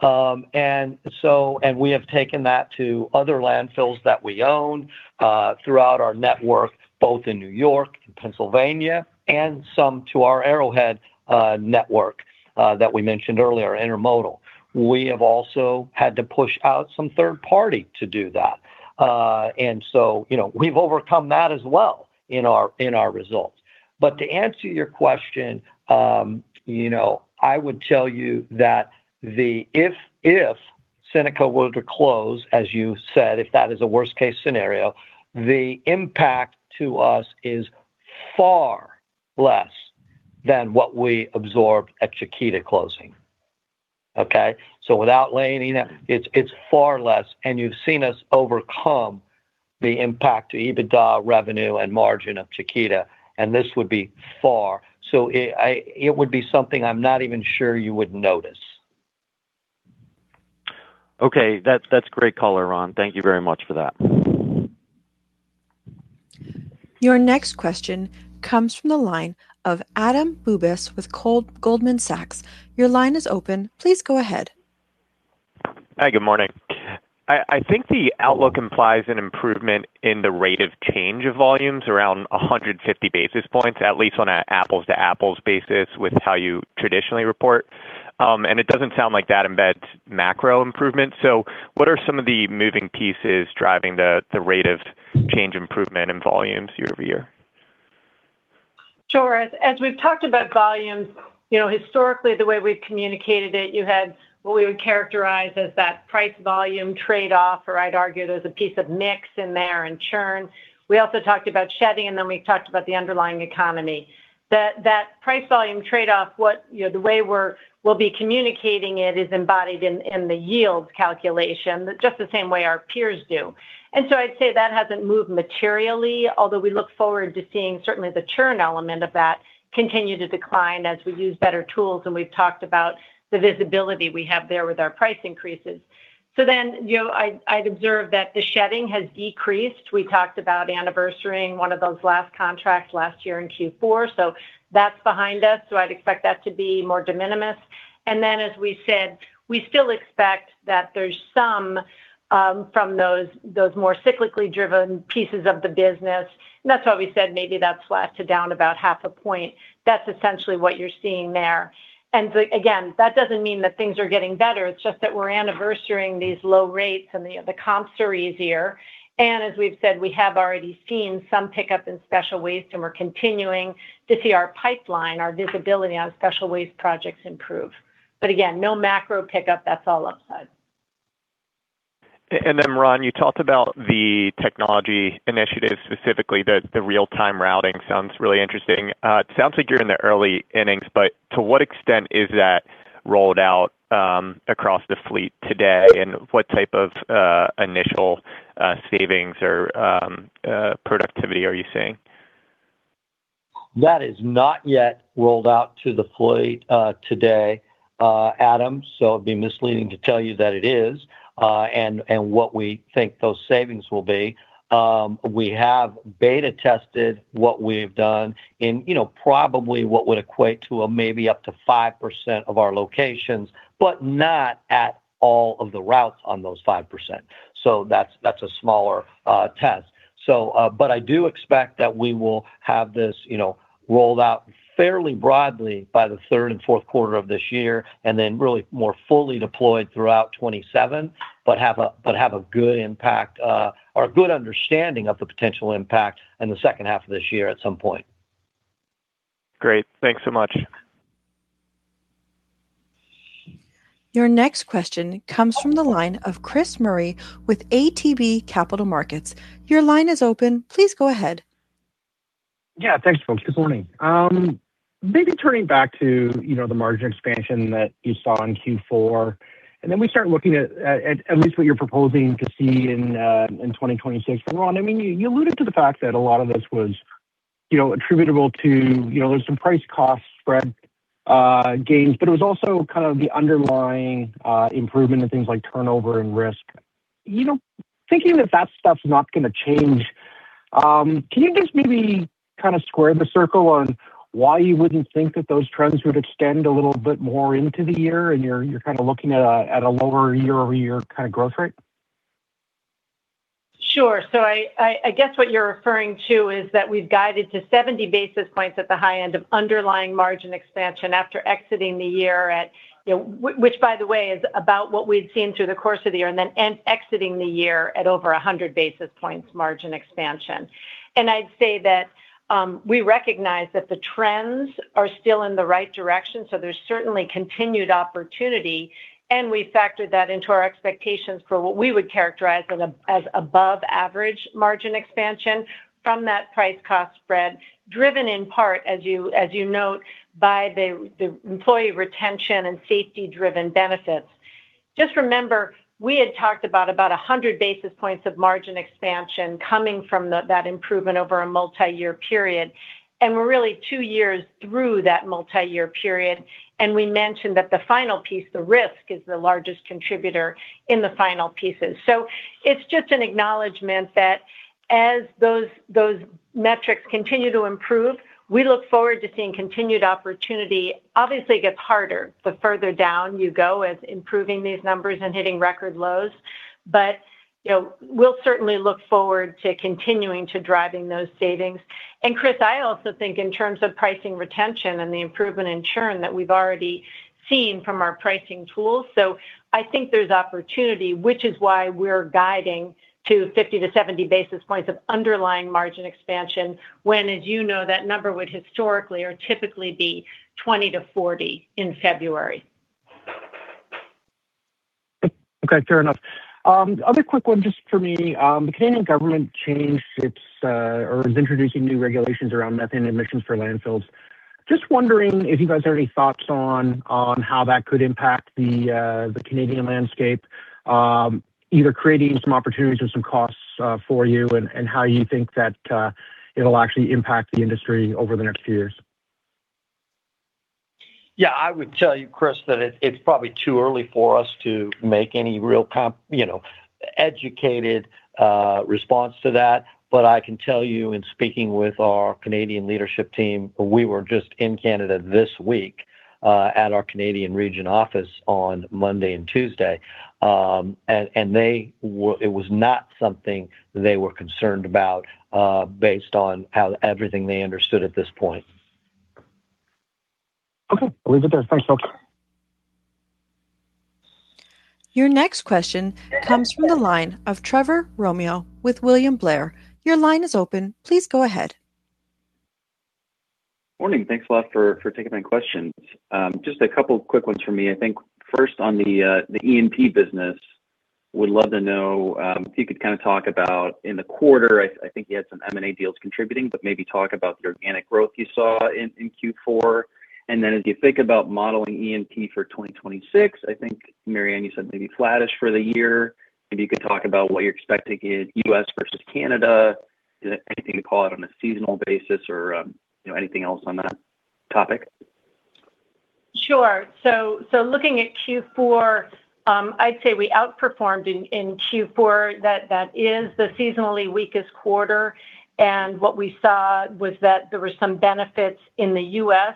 And so and we have taken that to other landfills that we own throughout our network, both in New York and Pennsylvania, and some to our Arrowhead network that we mentioned earlier, Intermodal. We have also had to push out some third party to do that. And so, you know, we've overcome that as well in our, in our results. But to answer your question, you know, I would tell you that if, if Seneca were to close, as you said, if that is a worst case scenario, the impact to us is far less than what we absorbed at Chiquita closing, okay? So without laying in, it's far less, and you've seen us overcome the impact to EBITDA, revenue, and margin of Chiquita, and this would be far. So, I, it would be something I'm not even sure you would notice. Okay. That's, that's great color, Ron. Thank you very much for that. Your next question comes from the line of Adam Bubes with Goldman Sachs. Your line is open. Please go ahead. Hi, good morning. I think the outlook implies an improvement in the rate of change of volumes around 150 basis points, at least on an apples-to-apples basis, with how you traditionally report. It doesn't sound like that embeds macro improvement. What are some of the moving pieces driving the rate of change improvement in volumes year-over-year? Sure. As we've talked about volumes, you know, historically, the way we've communicated it, you had what we would characterize as that price-volume trade-off, or I'd argue there's a piece of mix in there and churn. We also talked about shedding, and then we talked about the underlying economy. That price-volume trade-off, you know, the way we'll be communicating it is embodied in the yield calculation, just the same way our peers do. And so I'd say that hasn't moved materially, although we look forward to seeing certainly the churn element of that continue to decline as we use better tools, and we've talked about the visibility we have there with our price increases. So then, you know, I'd observe that the shedding has decreased. We talked about anniversarying one of those last contracts last year in Q4, so that's behind us, so I'd expect that to be more de minimis. And then as we said, we still expect that there's some from those more cyclically driven pieces of the business. And that's why we said maybe that's flat to down about half a point. That's essentially what you're seeing there. And so again, that doesn't mean that things are getting better, it's just that we're anniversarying these low rates, and the comps are easier. And as we've said, we have already seen some pickup in special waste, and we're continuing to see our pipeline, our visibility on special waste projects improve. But again, no macro pickup. That's all upside. And then, Ron, you talked about the technology initiatives, specifically the real-time routing. Sounds really interesting. It sounds like you're in the early innings, but to what extent is that rolled out across the fleet today? And what type of initial savings or productivity are you seeing? That is not yet rolled out to the fleet today, Adam, so it'd be misleading to tell you that it is, and what we think those savings will be. We have beta tested what we've done in, you know, probably what would equate to a maybe up to 5% of our locations, but not at all of the routes on those 5%. So that's a smaller test. So, but I do expect that we will have this, you know, rolled out fairly broadly by the third and fourth quarter of this year, and then really more fully deployed throughout 2027, but have a good impact, or a good understanding of the potential impact in the second half of this year at some point. Great. Thanks so much. Your next question comes from the line of Chris Murray with ATB Capital Markets. Your line is open. Please go ahead. Yeah, thanks, folks. Good morning. Maybe turning back to, you know, the margin expansion that you saw in Q4, and then we start looking at least what you're proposing to see in 2026. But Ron, I mean, you alluded to the fact that a lot of this was, you know, attributable to, you know, there was some price cost spread gains, but it was also kind of the underlying improvement in things like turnover and risk. You know, thinking that that stuff's not gonna change, can you just maybe square the circle on why you wouldn't think that those trends would extend a little bit more into the year, and you're kind of looking at a lower year-over-year kind of growth rate? Sure. So I guess what you're referring to is that we've guided to 70 basis points at the high end of underlying margin expansion after exiting the year at, you know, which, by the way, is about what we'd seen through the course of the year, and then exiting the year at over 100 basis points margin expansion. And I'd say that we recognize that the trends are still in the right direction, so there's certainly continued opportunity, and we factored that into our expectations for what we would characterize as above average margin expansion from that price cost spread, driven in part, as you note, by the employee retention and safety-driven benefits. Just remember, we had talked about a 100 basis points of margin expansion coming from that improvement over a multiyear period, and we're really two years through that multiyear period, and we mentioned that the final piece, the risk, is the largest contributor in the final pieces. So it's just an acknowledgment that as those metrics continue to improve, we look forward to seeing continued opportunity. Obviously, it gets harder the further down you go as improving these numbers and hitting record lows, but, you know, we'll certainly look forward to continuing to driving those savings. And Chris, I also think in terms of pricing retention and the improvement in churn that we've already seen from our pricing tools. So I think there's opportunity, which is why we're guiding to 50-70 basis points of underlying margin expansion, when, as you know, that number would historically or typically be 20-40 in February. Okay, fair enough. Other quick one just for me. The Canadian government changed its or is introducing new regulations around methane emissions for landfills. Just wondering if you guys have any thoughts on how that could impact the Canadian landscape, either creating some opportunities or some costs for you, and how you think that it'll actually impact the industry over the next few years. Yeah, I would tell you, Chris, that it's probably too early for us to make any real, you know, educated response to that. But I can tell you, in speaking with our Canadian leadership team, we were just in Canada this week at our Canadian region office on Monday and Tuesday, and it was not something they were concerned about based on how everything they understood at this point. Okay. I'll leave it there. Thanks, folks. Your next question comes from the line of Trevor Romeo with William Blair. Your line is open. Please go ahead. Morning. Thanks a lot for taking my questions. Just a couple quick ones for me. I think first on the E&P business, would love to know if you could kind of talk about in the quarter, I think you had some M&A deals contributing, but maybe talk about the organic growth you saw in Q4. And then as you think about modeling E&P for 2026, I think, Mary Anne, you said maybe flattish for the year. Maybe you could talk about what you're expecting in U.S. versus Canada. Is there anything you can call out on a seasonal basis or, you know, anything else on that topic? Sure. So looking at Q4. I'd say we outperformed in Q4. That is the seasonally weakest quarter, and what we saw was that there were some benefits in the U.S.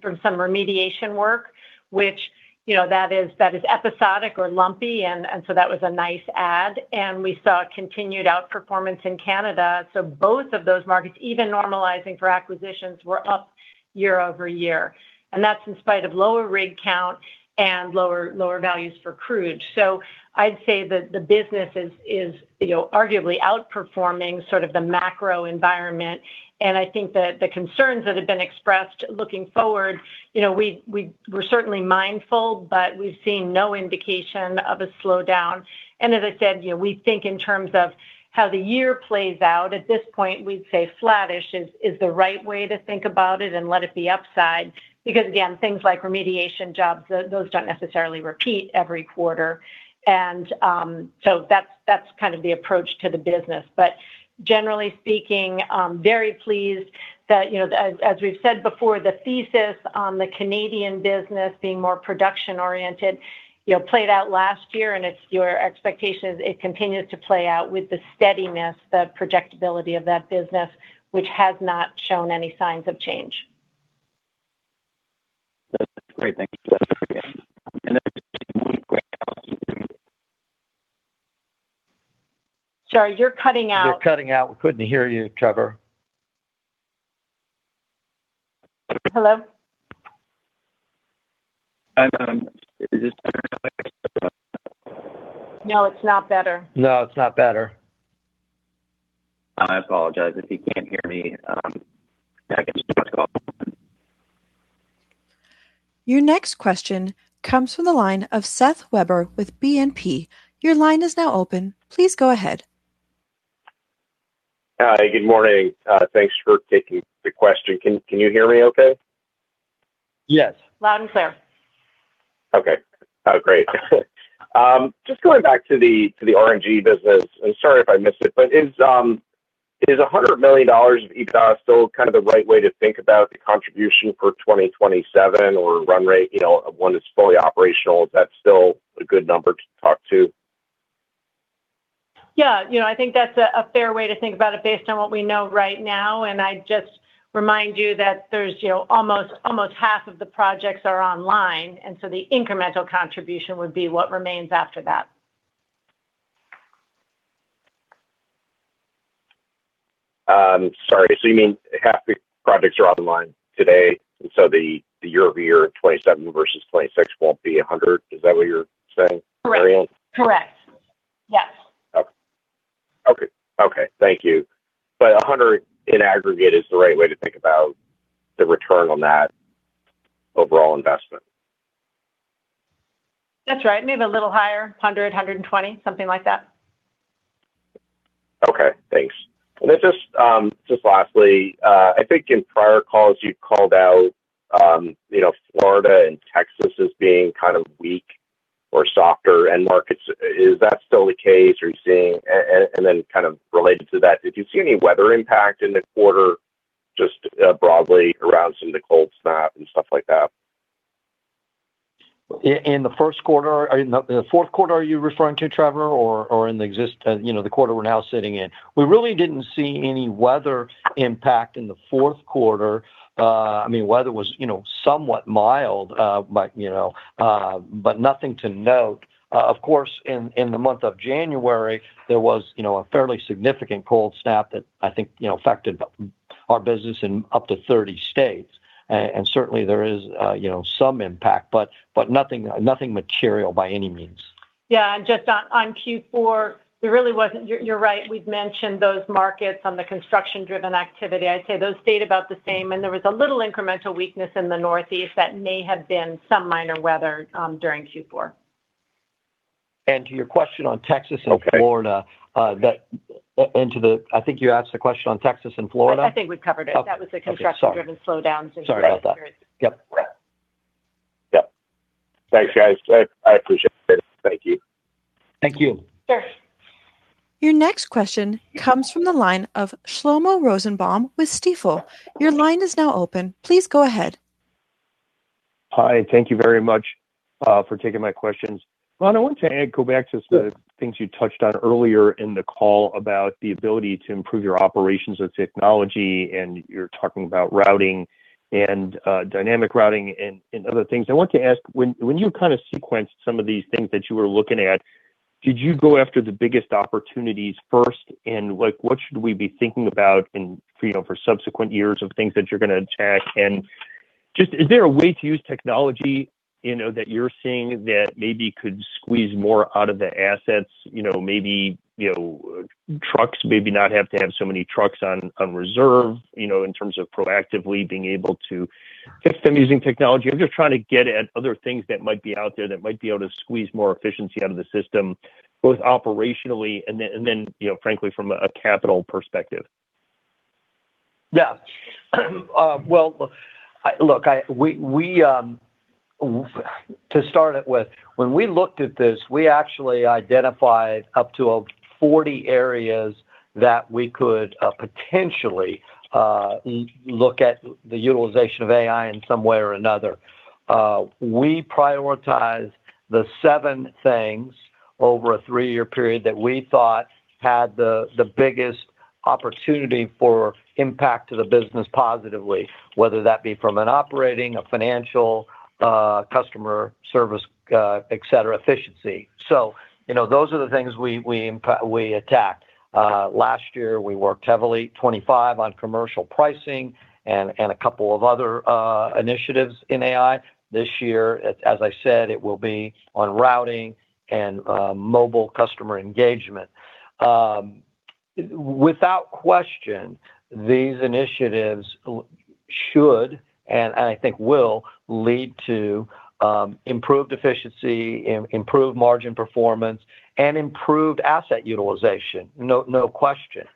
from some remediation work, which, you know, that is episodic or lumpy, and so that was a nice add, and we saw a continued outperformance in Canada. So both of those markets, even normalizing for acquisitions, were up year-over-year, and that's in spite of lower rig count and lower values for crude. So I'd say that the business is, you know, arguably outperforming sort of the macro environment, and I think that the concerns that have been expressed looking forward, you know, we're certainly mindful, but we've seen no indication of a slowdown. And as I said, you know, we think in terms of how the year plays out, at this point, we'd say flattish is the right way to think about it and let it be upside. Because, again, things like remediation jobs, those don't necessarily repeat every quarter. And, so that's kind of the approach to the business. But generally speaking, very pleased that, you know, as we've said before, the thesis on the Canadian business being more production-oriented, you know, played out last year, and it's your expectation it continues to play out with the steadiness, the projectability of that business, which has not shown any signs of change. Great. Thank you again. And then Sorry, you're cutting out. You're cutting out. We couldn't hear you, Trevor. Hello? I'm, um, No, it's not better. No, it's not better. I apologize if you can't hear me. I guess Your next question comes from the line of Seth Weber with BNP. Your line is now open. Please go ahead. Hi, good morning. Thanks for taking the question. Can you hear me okay? Yes. Loud and clear. Okay, great. Just going back to the, to the RNG business, and sorry if I missed it, but is, is $100 million of EBITDA still kind of the right way to think about the contribution for 2027 or run rate, you know, when it's fully operational? Is that still a good number to talk to? Yeah, you know, I think that's a fair way to think about it based on what we know right now. I'd just remind you that there's, you know, almost half of the projects are online, and so the incremental contribution would be what remains after that. Sorry, so you mean half the projects are online today, and so the year-over-year, 2027 versus 2026, won't be 100%? Is that what you're saying, Mary Anne? Correct. Correct. Yes. Okay. Okay, thank you. But 100 in aggregate is the right way to think about the return on that overall investment? That's right. Maybe a little higher, 100, 120, something like that. Okay, thanks. And then just, just lastly, I think in prior calls you called out, you know, Florida and Texas as being kind of weak or softer end markets. Is that still the case? Are you seeing... And then kind of related to that, did you see any weather impact in the quarter, just, broadly around some of the cold snap and stuff like that? In the first quarter, in the fourth quarter, are you referring to, Trevor, or in the existing quarter we're now sitting in? We really didn't see any weather impact in the fourth quarter. I mean, weather was, you know, somewhat mild, but nothing to note. Of course, in the month of January, there was a fairly significant cold snap that I think affected our business in up to 30 states. And certainly there is some impact, but nothing material by any means. Yeah, and just on, on Q4, there really wasn't. You're, you're right, we've mentioned those markets on the construction-driven activity. I'd say those stayed about the same, and there was a little incremental weakness in the Northeast that may have been some minor weather during Q4. To your question on Texas and Florida- Okay. I think you asked a question on Texas and Florida. I think we've covered it. Okay. That was the construction-driven- Sorry -slowdowns. Sorry about that. Yep. Yep. Thanks, guys. I appreciate it. Thank you. Thank you. Sure. Your next question comes from the line of Shlomo Rosenbaum with Stifel. Your line is now open. Please go ahead. Hi, thank you very much for taking my questions. Well, I want to add, go back to the things you touched on earlier in the call about the ability to improve your operations with technology, and you're talking about routing and dynamic routing and other things. I want to ask, when you kind of sequenced some of these things that you were looking at, did you go after the biggest opportunities first? And, like, what should we be thinking about in, you know, for subsequent years of things that you're gonna attack? And just, is there a way to use technology, you know, that you're seeing that maybe could squeeze more out of the assets, you know, maybe trucks, maybe not have to have so many trucks on reserve, you know, in terms of proactively being able to get them using technology? I'm just trying to get at other things that might be out there that might be able to squeeze more efficiency out of the system, both operationally and then, you know, frankly, from a capital perspective. Yeah. Well, look, to start it with, when we looked at this, we actually identified up to 40 areas that we could potentially look at the utilization of AI in some way or another. We prioritize the seven things over a three-year period that we thought had the biggest opportunity for impact to the business positively, whether that be from an operating, a financial, customer service, et cetera, efficiency. So, you know, those are the things we attacked. Last year, we worked heavily 25 on commercial pricing and a couple of other initiatives in AI. This year, as I said, it will be on routing and mobile customer engagement. Without question, these initiatives should, and, and I think will, lead to, improved efficiency, improved margin performance, and improved asset utilization. No, no question.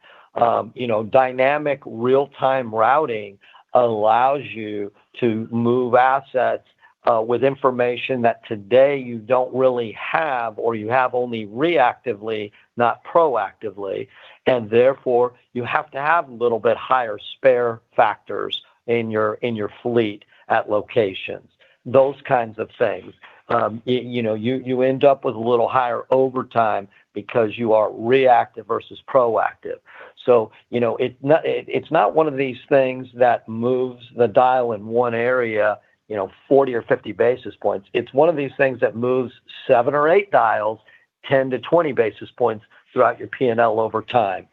You know, dynamic real-time routing allows you to move assets, with information that today you don't really have, or you have only reactively, not proactively, and therefore, you have to have a little bit higher spare factors in your, in your fleet at locations, those kinds of things. You know, you, you end up with a little higher overtime because you are reactive versus proactive. So, you know, it's not, it, it's not one of these things that moves the dial in one area, you know, 40 or 50 basis points. It's one of these things that moves seven or eight dials, 10-20 basis points throughout your P&L over time.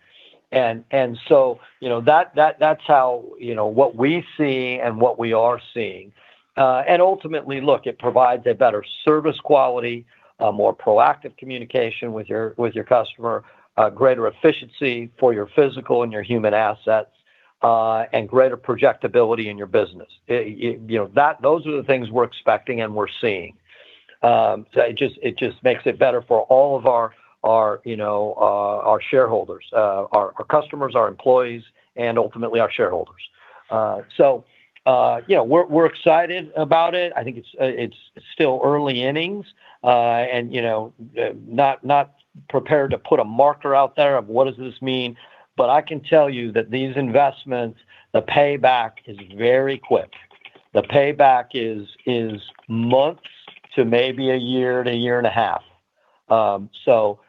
So, you know, that's how, you know, what we see and what we are seeing. And ultimately, look, it provides a better service quality, a more proactive communication with your customer, a greater efficiency for your physical and your human assets, and greater predictability in your business. You know, those are the things we're expecting and we're seeing. So it just makes it better for all of our, you know, our shareholders, our customers, our employees, and ultimately our shareholders. So, yeah, we're excited about it. I think it's still early innings, and, you know, not prepared to put a marker out there of what does this mean, but I can tell you that these investments, the payback is very quick. The payback is months to maybe a year to a year and a half. So,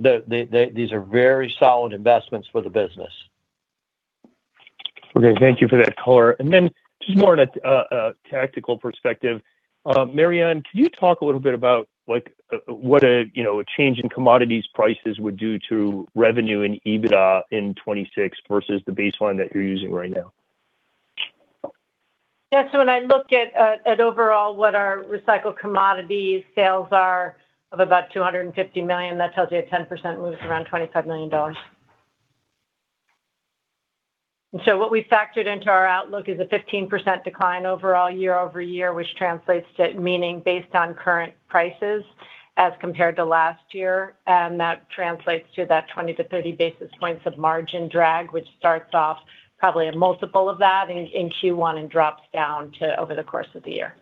these are very solid investments for the business. Okay, thank you for that color. And then just more on a tactical perspective, Mary Anne, can you talk a little bit about, like, what you know, a change in commodities prices would do to revenue and EBITDA in 2026 versus the baseline that you're using right now? Yeah, so when I look at, at overall what our recycled commodities sales are of about $250 million, that tells you a 10% move is around $25 million. And so what we factored into our outlook is a 15% decline overall year-over-year, which translates to meaning based on current prices as compared to last year, and that translates to that 20-30 basis points of margin drag, which starts off probably a multiple of that in, in Q1 and drops down to over the course of the year.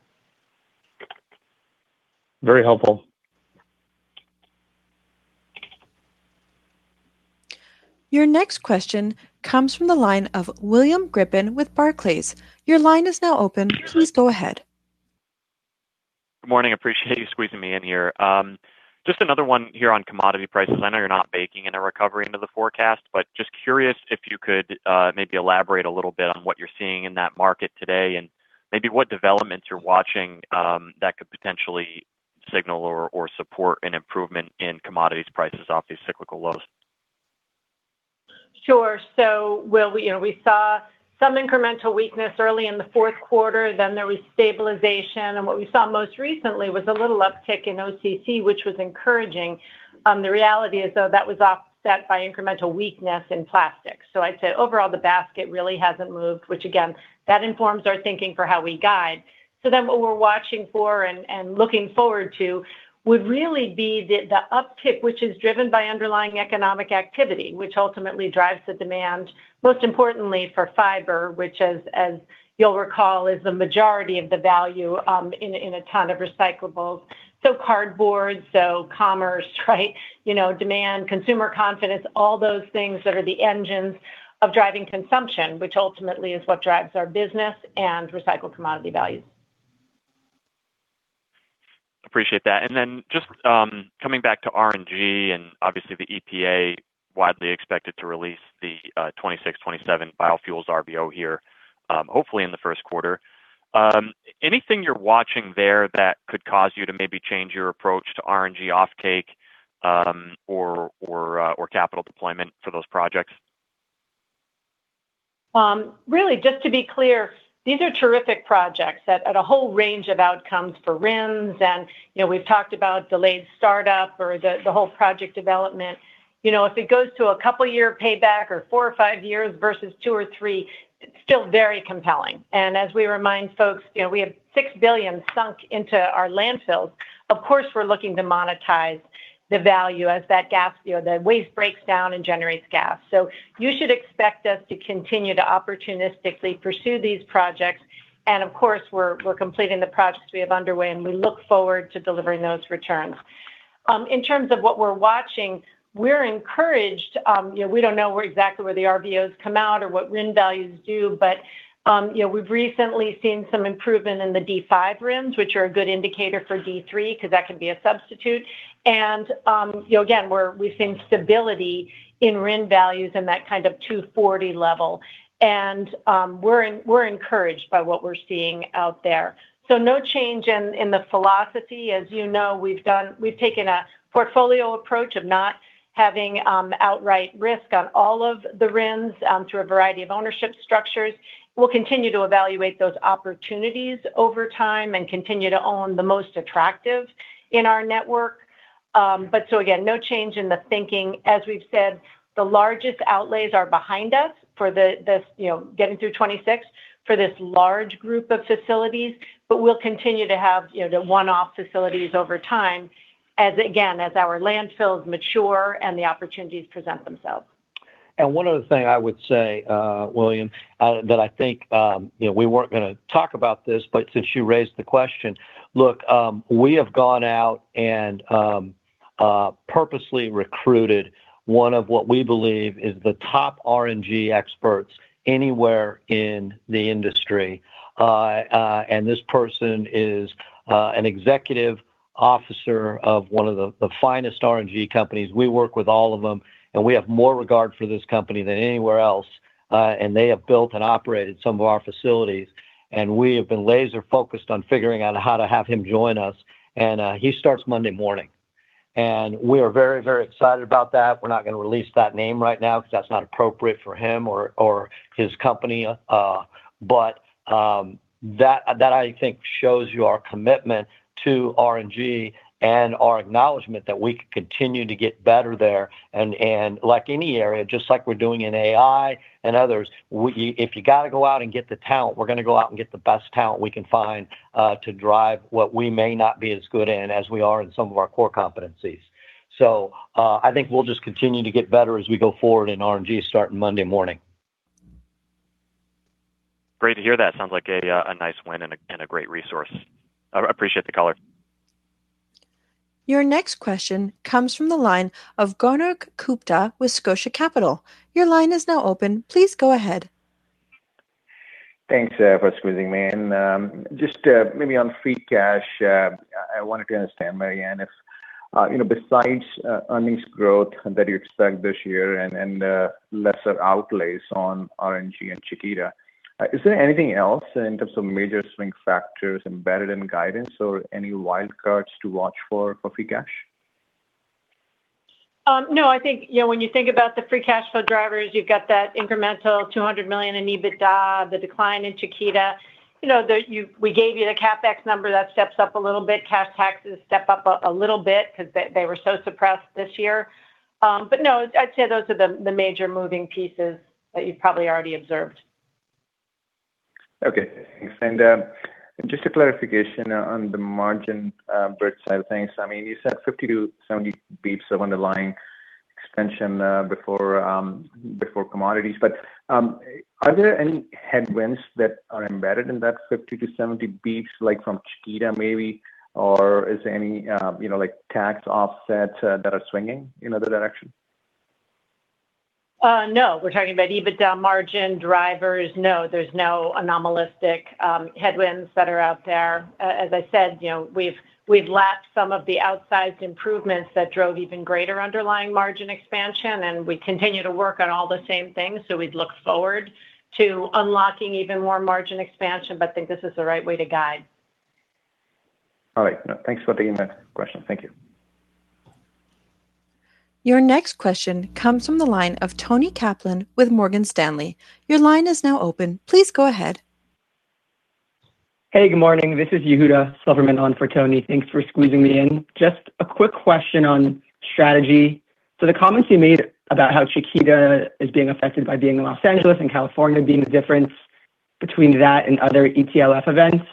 Very helpful. Your next question comes from the line of William Grippin with Barclays. Your line is now open. Please go ahead. Good morning. Appreciate you squeezing me in here. Just another one here on commodity prices. I know you're not baking in a recovery into the forecast, but just curious if you could maybe elaborate a little bit on what you're seeing in that market today and maybe what developments you're watching that could potentially signal or support an improvement in commodities prices off these cyclical lows. Sure. So Will, we, you know, we saw some incremental weakness early in the fourth quarter, then there was stabilization, and what we saw most recently was a little uptick in OCC, which was encouraging. The reality is, though, that was offset by incremental weakness in plastics. So I'd say overall, the basket really hasn't moved, which again, that informs our thinking for how we guide. So then what we're watching for and looking forward to would really be the uptick, which is driven by underlying economic activity, which ultimately drives the demand, most importantly for fiber, which as you'll recall, is the majority of the value in a ton of recyclables. So cardboard, so commerce, right? You know, demand, consumer confidence, all those things that are the engines of driving consumption, which ultimately is what drives our business and recycled commodity values. Appreciate that. And then just coming back to RNG, and obviously, the EPA widely expected to release the 2026-2027 biofuels RVO here, hopefully in the first quarter. Anything you're watching there that could cause you to maybe change your approach to RNG offtake, or capital deployment for those projects? Really, just to be clear, these are terrific projects that at a whole range of outcomes for RINs and, you know, we've talked about delayed startup or the whole project development. You know, if it goes to a couple year payback or four or five years versus two or three, it's still very compelling. And as we remind folks, you know, we have $6 billion sunk into our landfills. Of course, we're looking to monetize the value as that gas, you know, the waste breaks down and generates gas. So you should expect us to continue to opportunistically pursue these projects, and of course, we're completing the projects we have underway, and we look forward to delivering those returns. In terms of what we're watching, we're encouraged, you know, we don't know where exactly the RVOs come out or what RIN values do, but, you know, we've recently seen some improvement in the D5 RINs, which are a good indicator for D3, because that can be a substitute. And, you know, again, we've seen stability in RIN values in that kind of 240 level, and, we're encouraged by what we're seeing out there. So no change in the philosophy. As you know, we've taken a portfolio approach of not having, outright risk on all of the RINs, through a variety of ownership structures. We'll continue to evaluate those opportunities over time and continue to own the most attractive in our network. But so again, no change in the thinking. As we've said, the largest outlays are behind us for the you know, getting through 2026 for this large group of facilities, but we'll continue to have, you know, the one-off facilities over time as, again, as our landfills mature and the opportunities present themselves. And one other thing I would say, William, that I think, you know, we weren't gonna talk about this, but since you raised the question: look, we have gone out and purposely recruited one of what we believe is the top RNG experts anywhere in the industry. And this person is an executive officer of one of the, the finest RNG companies. We work with all of them, and we have more regard for this company than anywhere else, and they have built and operated some of our facilities, and we have been laser-focused on figuring out how to have him join us, and he starts Monday morning. And we are very, very excited about that. We're not going to release that name right now because that's not appropriate for him or his company, but that I think shows you our commitment to RNG and our acknowledgment that we can continue to get better there. And like any area, just like we're doing in AI and others, we, if you got to go out and get the talent, we're going to go out and get the best talent we can find to drive what we may not be as good in as we are in some of our core competencies. So I think we'll just continue to get better as we go forward in RNG starting Monday morning. Great to hear that. Sounds like a nice win and a great resource. I appreciate the call. Your next question comes from the line of Konark Gupta with Scotia Capital. Your line is now open. Please go ahead. Thanks for squeezing me in. Just maybe on free cash, I wanted to understand, Mary Anne, if you know besides earnings growth that you expect this year and lesser outlays on RNG and Chiquita, is there anything else in terms of major swing factors embedded in guidance or any wild cards to watch for free cash? No, I think, you know, when you think about the free cash flow drivers, you've got that incremental $200 million in EBITDA, the decline in Chiquita. You know, we gave you the CapEx number. That steps up a little bit. Cash taxes step up a little bit because they were so suppressed this year. But no, I'd say those are the major moving pieces that you've probably already observed. Okay, thanks. And, just a clarification on the margin, bridge side of things. I mean, you said 50-70 basis points of underlying expansion, before, before commodities. But, are there any headwinds that are embedded in that 50-70 basis points, like from Chiquita, maybe, or is there any, you know, like, tax offsets that are swinging in other direction? No. We're talking about EBITDA margin drivers. No, there's no anomalous headwinds that are out there. As I said, you know, we've lapped some of the outsized improvements that drove even greater underlying margin expansion, and we continue to work on all the same things. So we'd look forward to unlocking even more margin expansion, but think this is the right way to guide. All right. No, thanks for taking the question. Thank you. Your next question comes from the line of Toni Kaplan with Morgan Stanley. Your line is now open. Please go ahead. Hey, good morning. This is Yehuda Silverman on for Toni. Thanks for squeezing me in. Just a quick question on strategy. So the comments you made about how Chiquita is being affected by being in Los Angeles and California, being the difference between that and other ETLF events,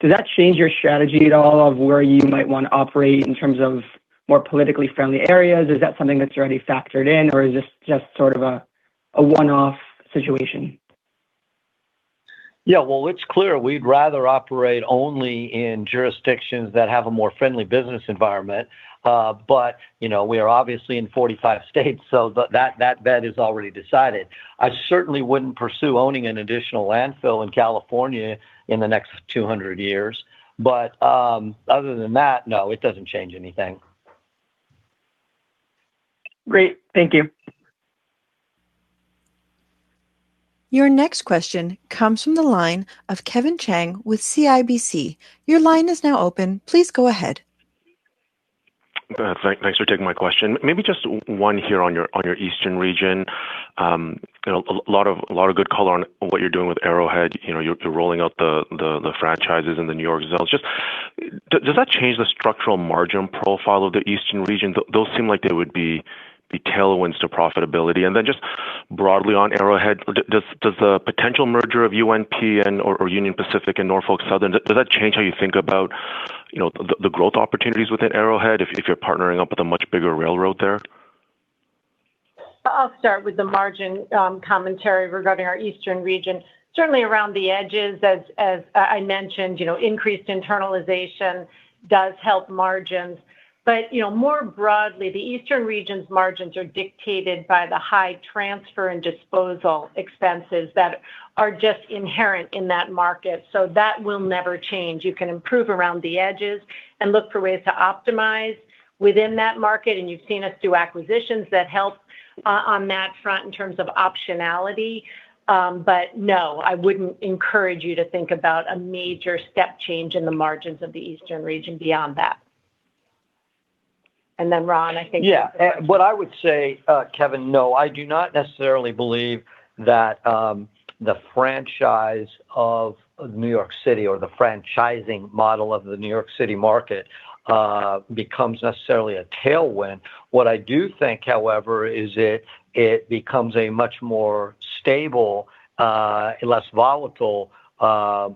does that change your strategy at all of where you might want to operate in terms of more politically friendly areas? Is that something that's already factored in, or is this just sort of a one-off situation? Yeah, well, it's clear we'd rather operate only in jurisdictions that have a more friendly business environment. But, you know, we are obviously in 45 states, so that, that, that bed is already decided. I certainly wouldn't pursue owning an additional landfill in California in the next 200 years. But, other than that, no, it doesn't change anything. Great. Thank you. Your next question comes from the line of Kevin Chiang with CIBC. Your line is now open. Please go ahead. Thanks for taking my question. Maybe just one here on your Eastern region. You know, a lot of good color on what you're doing with Arrowhead. You know, you're rolling out the franchises in the New York zone. Just, does that change the structural margin profile of the Eastern region? Those seem like they would be tailwinds to profitability. And then just broadly on Arrowhead, does the potential merger of UNP and/or Union Pacific and Norfolk Southern does that change how you think about, you know, the growth opportunities within Arrowhead if you're partnering up with a much bigger railroad there?... I'll start with the margin, commentary regarding our Eastern region. Certainly, around the edges, as I mentioned, you know, increased internalization does help margins. But, you know, more broadly, the Eastern region's margins are dictated by the high transfer and disposal expenses that are just inherent in that market, so that will never change. You can improve around the edges and look for ways to optimize within that market, and you've seen us do acquisitions that help on that front in terms of optionality. But no, I wouldn't encourage you to think about a major step change in the margins of the Eastern region beyond that. And then, Ron, I think- Yeah. What I would say, Kevin, no, I do not necessarily believe that, the franchise of New York City or the franchising model of the New York City market, becomes necessarily a tailwind. What I do think, however, is it becomes a much more stable, less volatile,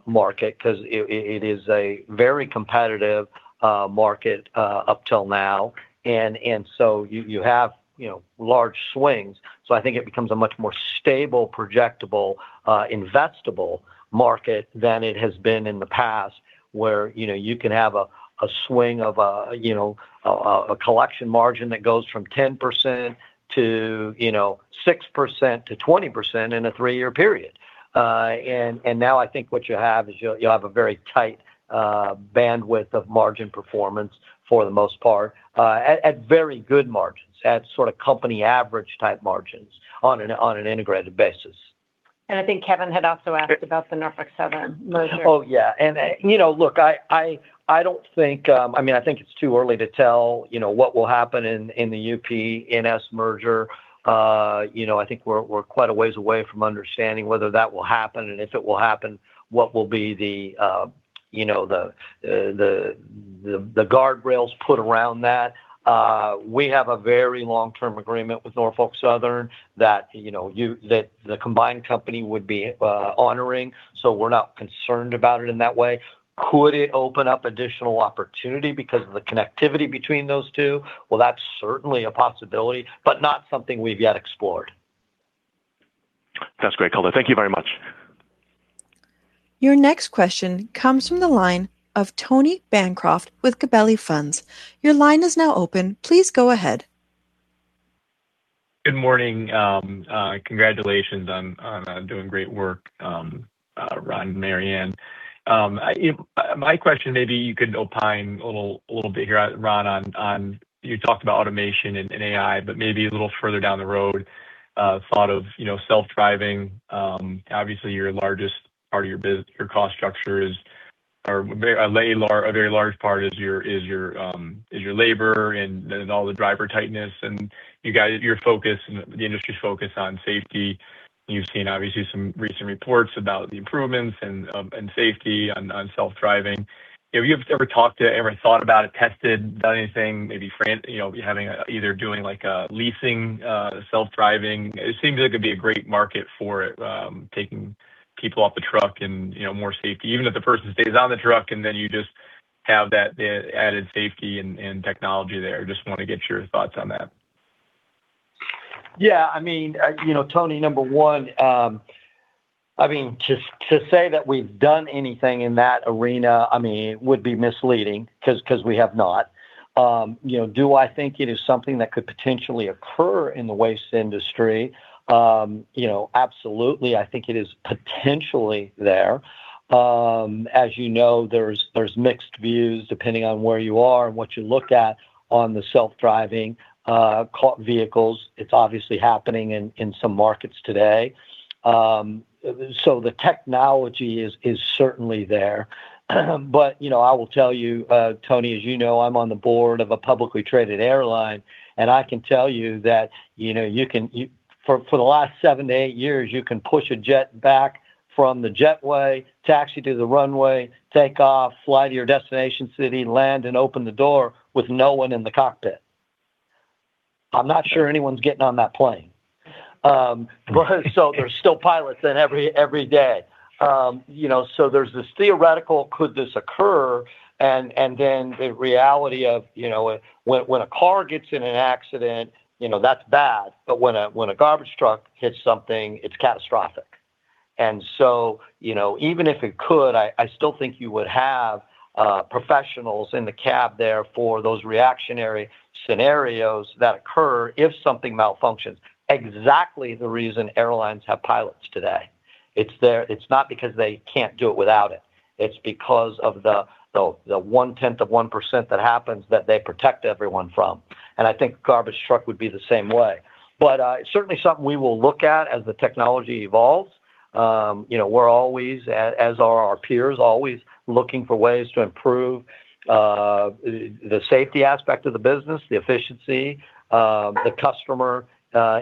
market because it is a very competitive, market, up till now. And so you have, you know, large swings. So I think it becomes a much more stable, projectable, investable market than it has been in the past, where, you know, you can have a swing of, you know, a collection margin that goes from 10% to, you know, 6% to 20% in a three-year period. And now I think what you have is you have a very tight bandwidth of margin performance for the most part, at very good margins, at sort of company average type margins on an integrated basis. I think Kevin had also asked about the Norfolk Southern merger. Oh, yeah. And, you know, look, I don't think... I mean, I think it's too early to tell, you know, what will happen in the UP-NS merger. You know, I think we're quite a ways away from understanding whether that will happen, and if it will happen, what will be the guardrails put around that? We have a very long-term agreement with Norfolk Southern that, you know, that the combined company would be honoring, so we're not concerned about it in that way. Could it open up additional opportunity because of the connectivity between those two? Well, that's certainly a possibility, but not something we've yet explored. That's great color. Thank you very much. Your next question comes from the line of Tony Bancroft with Gabelli Funds. Your line is now open. Please go ahead. Good morning, congratulations on doing great work, Ron and Mary Anne. My question, maybe you could opine a little, a little bit here, Ron, on... You talked about automation and AI, but maybe a little further down the road, thought of, you know, self-driving. Obviously, your largest part of your bus-- your cost structure is, or a very lar-- a very large part is your, is your, labor and then all the driver tightness, and you guys, your focus and the industry's focus on safety. You've seen, obviously, some recent reports about the improvements and safety on self-driving. If you've ever talked to, ever thought about it, tested, done anything, maybe you know, having, either doing, like, leasing, self-driving, it seems like it could be a great market for it, taking people off the truck and, you know, more safety. Even if the person stays on the truck, and then you just have that, added safety and, and technology there. Just wanna get your thoughts on that. Yeah, I mean, you know, Tony, number one, I mean, just to say that we've done anything in that arena, I mean, would be misleading 'cause we have not. You know, do I think it is something that could potentially occur in the waste industry? You know, absolutely. I think it is potentially there. As you know, there's mixed views, depending on where you are and what you look at on the self-driving vehicles. It's obviously happening in some markets today. So the technology is certainly there. But, you know, I will tell you, Tony, as you know, I'm on the board of a publicly traded airline, and I can tell you that, you know, you can, for the last seven to eight years, you can push a jet back from the jetway, taxi to the runway, take off, fly to your destination city, land and open the door with no one in the cockpit. I'm not sure anyone's getting on that plane. So there's still pilots in every day. You know, so there's this theoretical, could this occur? And then the reality of, you know, when a car gets in an accident, you know, that's bad, but when a garbage truck hits something, it's catastrophic. And so, you know, even if it could, I, I still think you would have professionals in the cab there for those reactionary scenarios that occur if something malfunctions. Exactly the reason airlines have pilots today. It's there. It's not because they can't do it without it, it's because of the 1/10 of 1% that happens that they protect everyone from. And I think garbage truck would be the same way. But certainly something we will look at as the technology evolves. You know, we're always, as are our peers, always looking for ways to improve the safety aspect of the business, the efficiency, the customer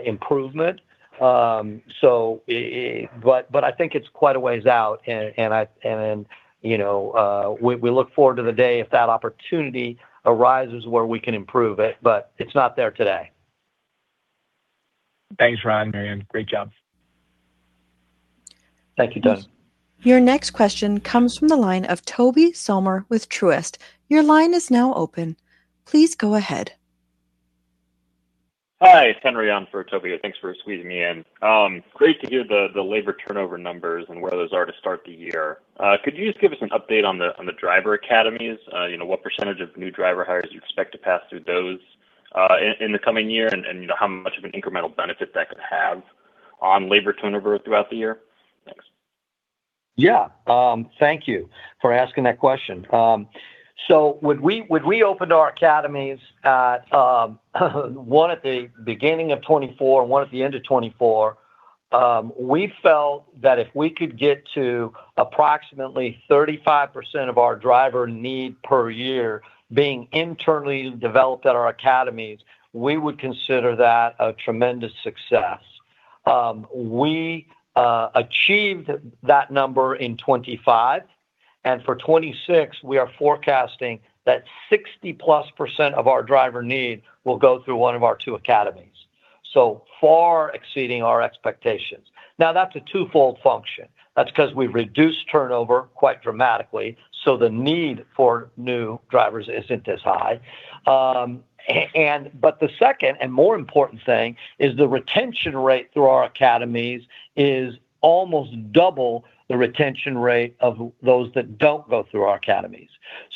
improvement. But I think it's quite a ways out, and you know, we look forward to the day if that opportunity arises where we can improve it, but it's not there today. Thanks, Ron, Mary Anne. Great job.... Thank you, Tony. Your next question comes from the line of Toby Sommer with Truist. Your line is now open. Please go ahead. Hi, it's Henry on for Toby. Thanks for squeezing me in. Great to hear the labor turnover numbers and where those are to start the year. Could you just give us an update on the driver academies? You know, what percentage of new driver hires you expect to pass through those in the coming year? And, you know, how much of an incremental benefit that could have on labor turnover throughout the year? Thanks. Thank you for asking that question. So when we opened our academies at one at the beginning of 2024 and one at the end of 2024, we felt that if we could get to approximately 35% of our driver need per year being internally developed at our academies, we would consider that a tremendous success. We achieved that number in 2025, and for 2026, we are forecasting that 60+% of our driver need will go through one of our two academies, so far exceeding our expectations. Now, that's a twofold function. That's 'cause we've reduced turnover quite dramatically, so the need for new drivers isn't as high. And but the second and more important thing is the retention rate through our academies is almost double the retention rate of those that don't go through our academies.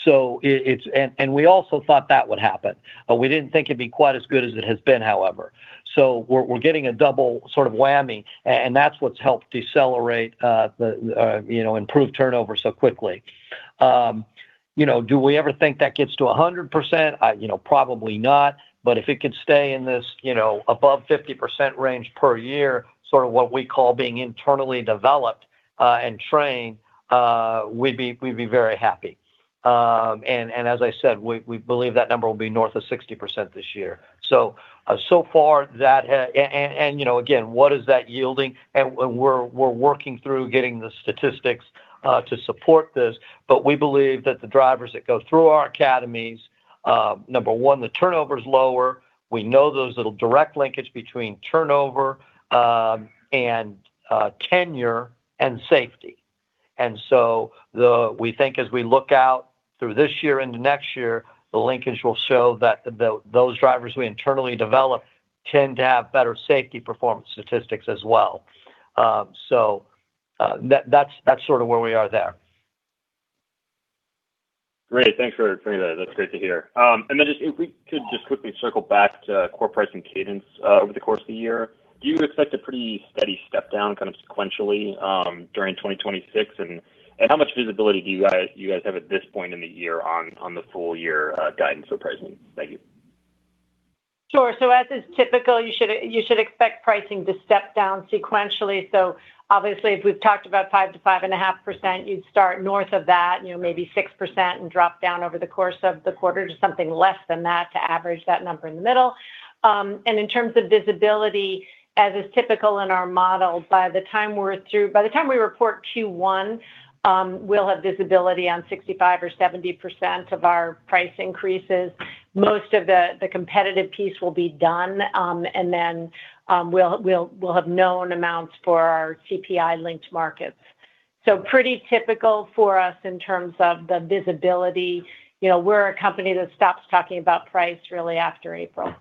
So it's and we also thought that would happen, but we didn't think it'd be quite as good as it has been, however. So we're getting a double sort of whammy, and that's what's helped decelerate the, you know, improve turnover so quickly. You know, do we ever think that gets to 100%? I, you know, probably not, but if it could stay in this, you know, above 50% range per year, sort of what we call being internally developed and trained, we'd be very happy. And as I said, we believe that number will be north of 60% this year. So, so far that ha... And, you know, again, what is that yielding? We're working through getting the statistics to support this, but we believe that the drivers that go through our academies, number one, the turnover is lower. We know there's little direct linkage between turnover, and tenure and safety. And so we think as we look out through this year into next year, the linkage will show that those drivers we internally develop tend to have better safety performance statistics as well. That's sort of where we are there. Great. Thanks for that. That's great to hear. And then just if we could just quickly circle back to core pricing cadence over the course of the year, do you expect a pretty steady step down kind of sequentially during 2026? And how much visibility do you guys have at this point in the year on the full year guidance for pricing? Thank you. Sure. So as is typical, you should expect pricing to step down sequentially. So obviously, if we've talked about 5%-5.5%, you'd start north of that, you know, maybe 6% and drop down over the course of the quarter to something less than that to average that number in the middle. And in terms of visibility, as is typical in our model, by the time we report Q1, we'll have visibility on 65% or 70% of our price increases. Most of the competitive piece will be done, and then we'll have known amounts for our CPI-linked markets. So pretty typical for us in terms of the visibility. You know, we're a company that stops talking about price really after April.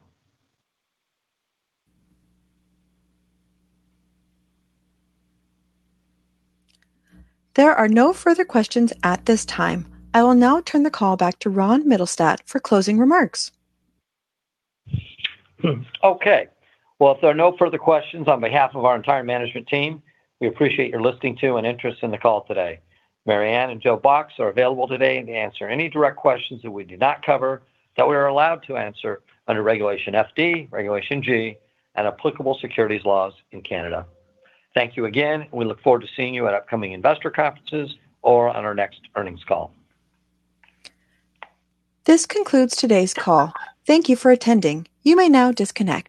There are no further questions at this time. I will now turn the call back to Ron Mittelstaedt for closing remarks. Okay. Well, if there are no further questions, on behalf of our entire management team, we appreciate your listening to and interest in the call today. Mary Anne and Joe Box are available today and to answer any direct questions that we did not cover, that we are allowed to answer under Regulation FD, Regulation G, and applicable securities laws in Canada. Thank you again. We look forward to seeing you at upcoming investor conferences or on our next earnings call. This concludes today's call. Thank you for attending. You may now disconnect.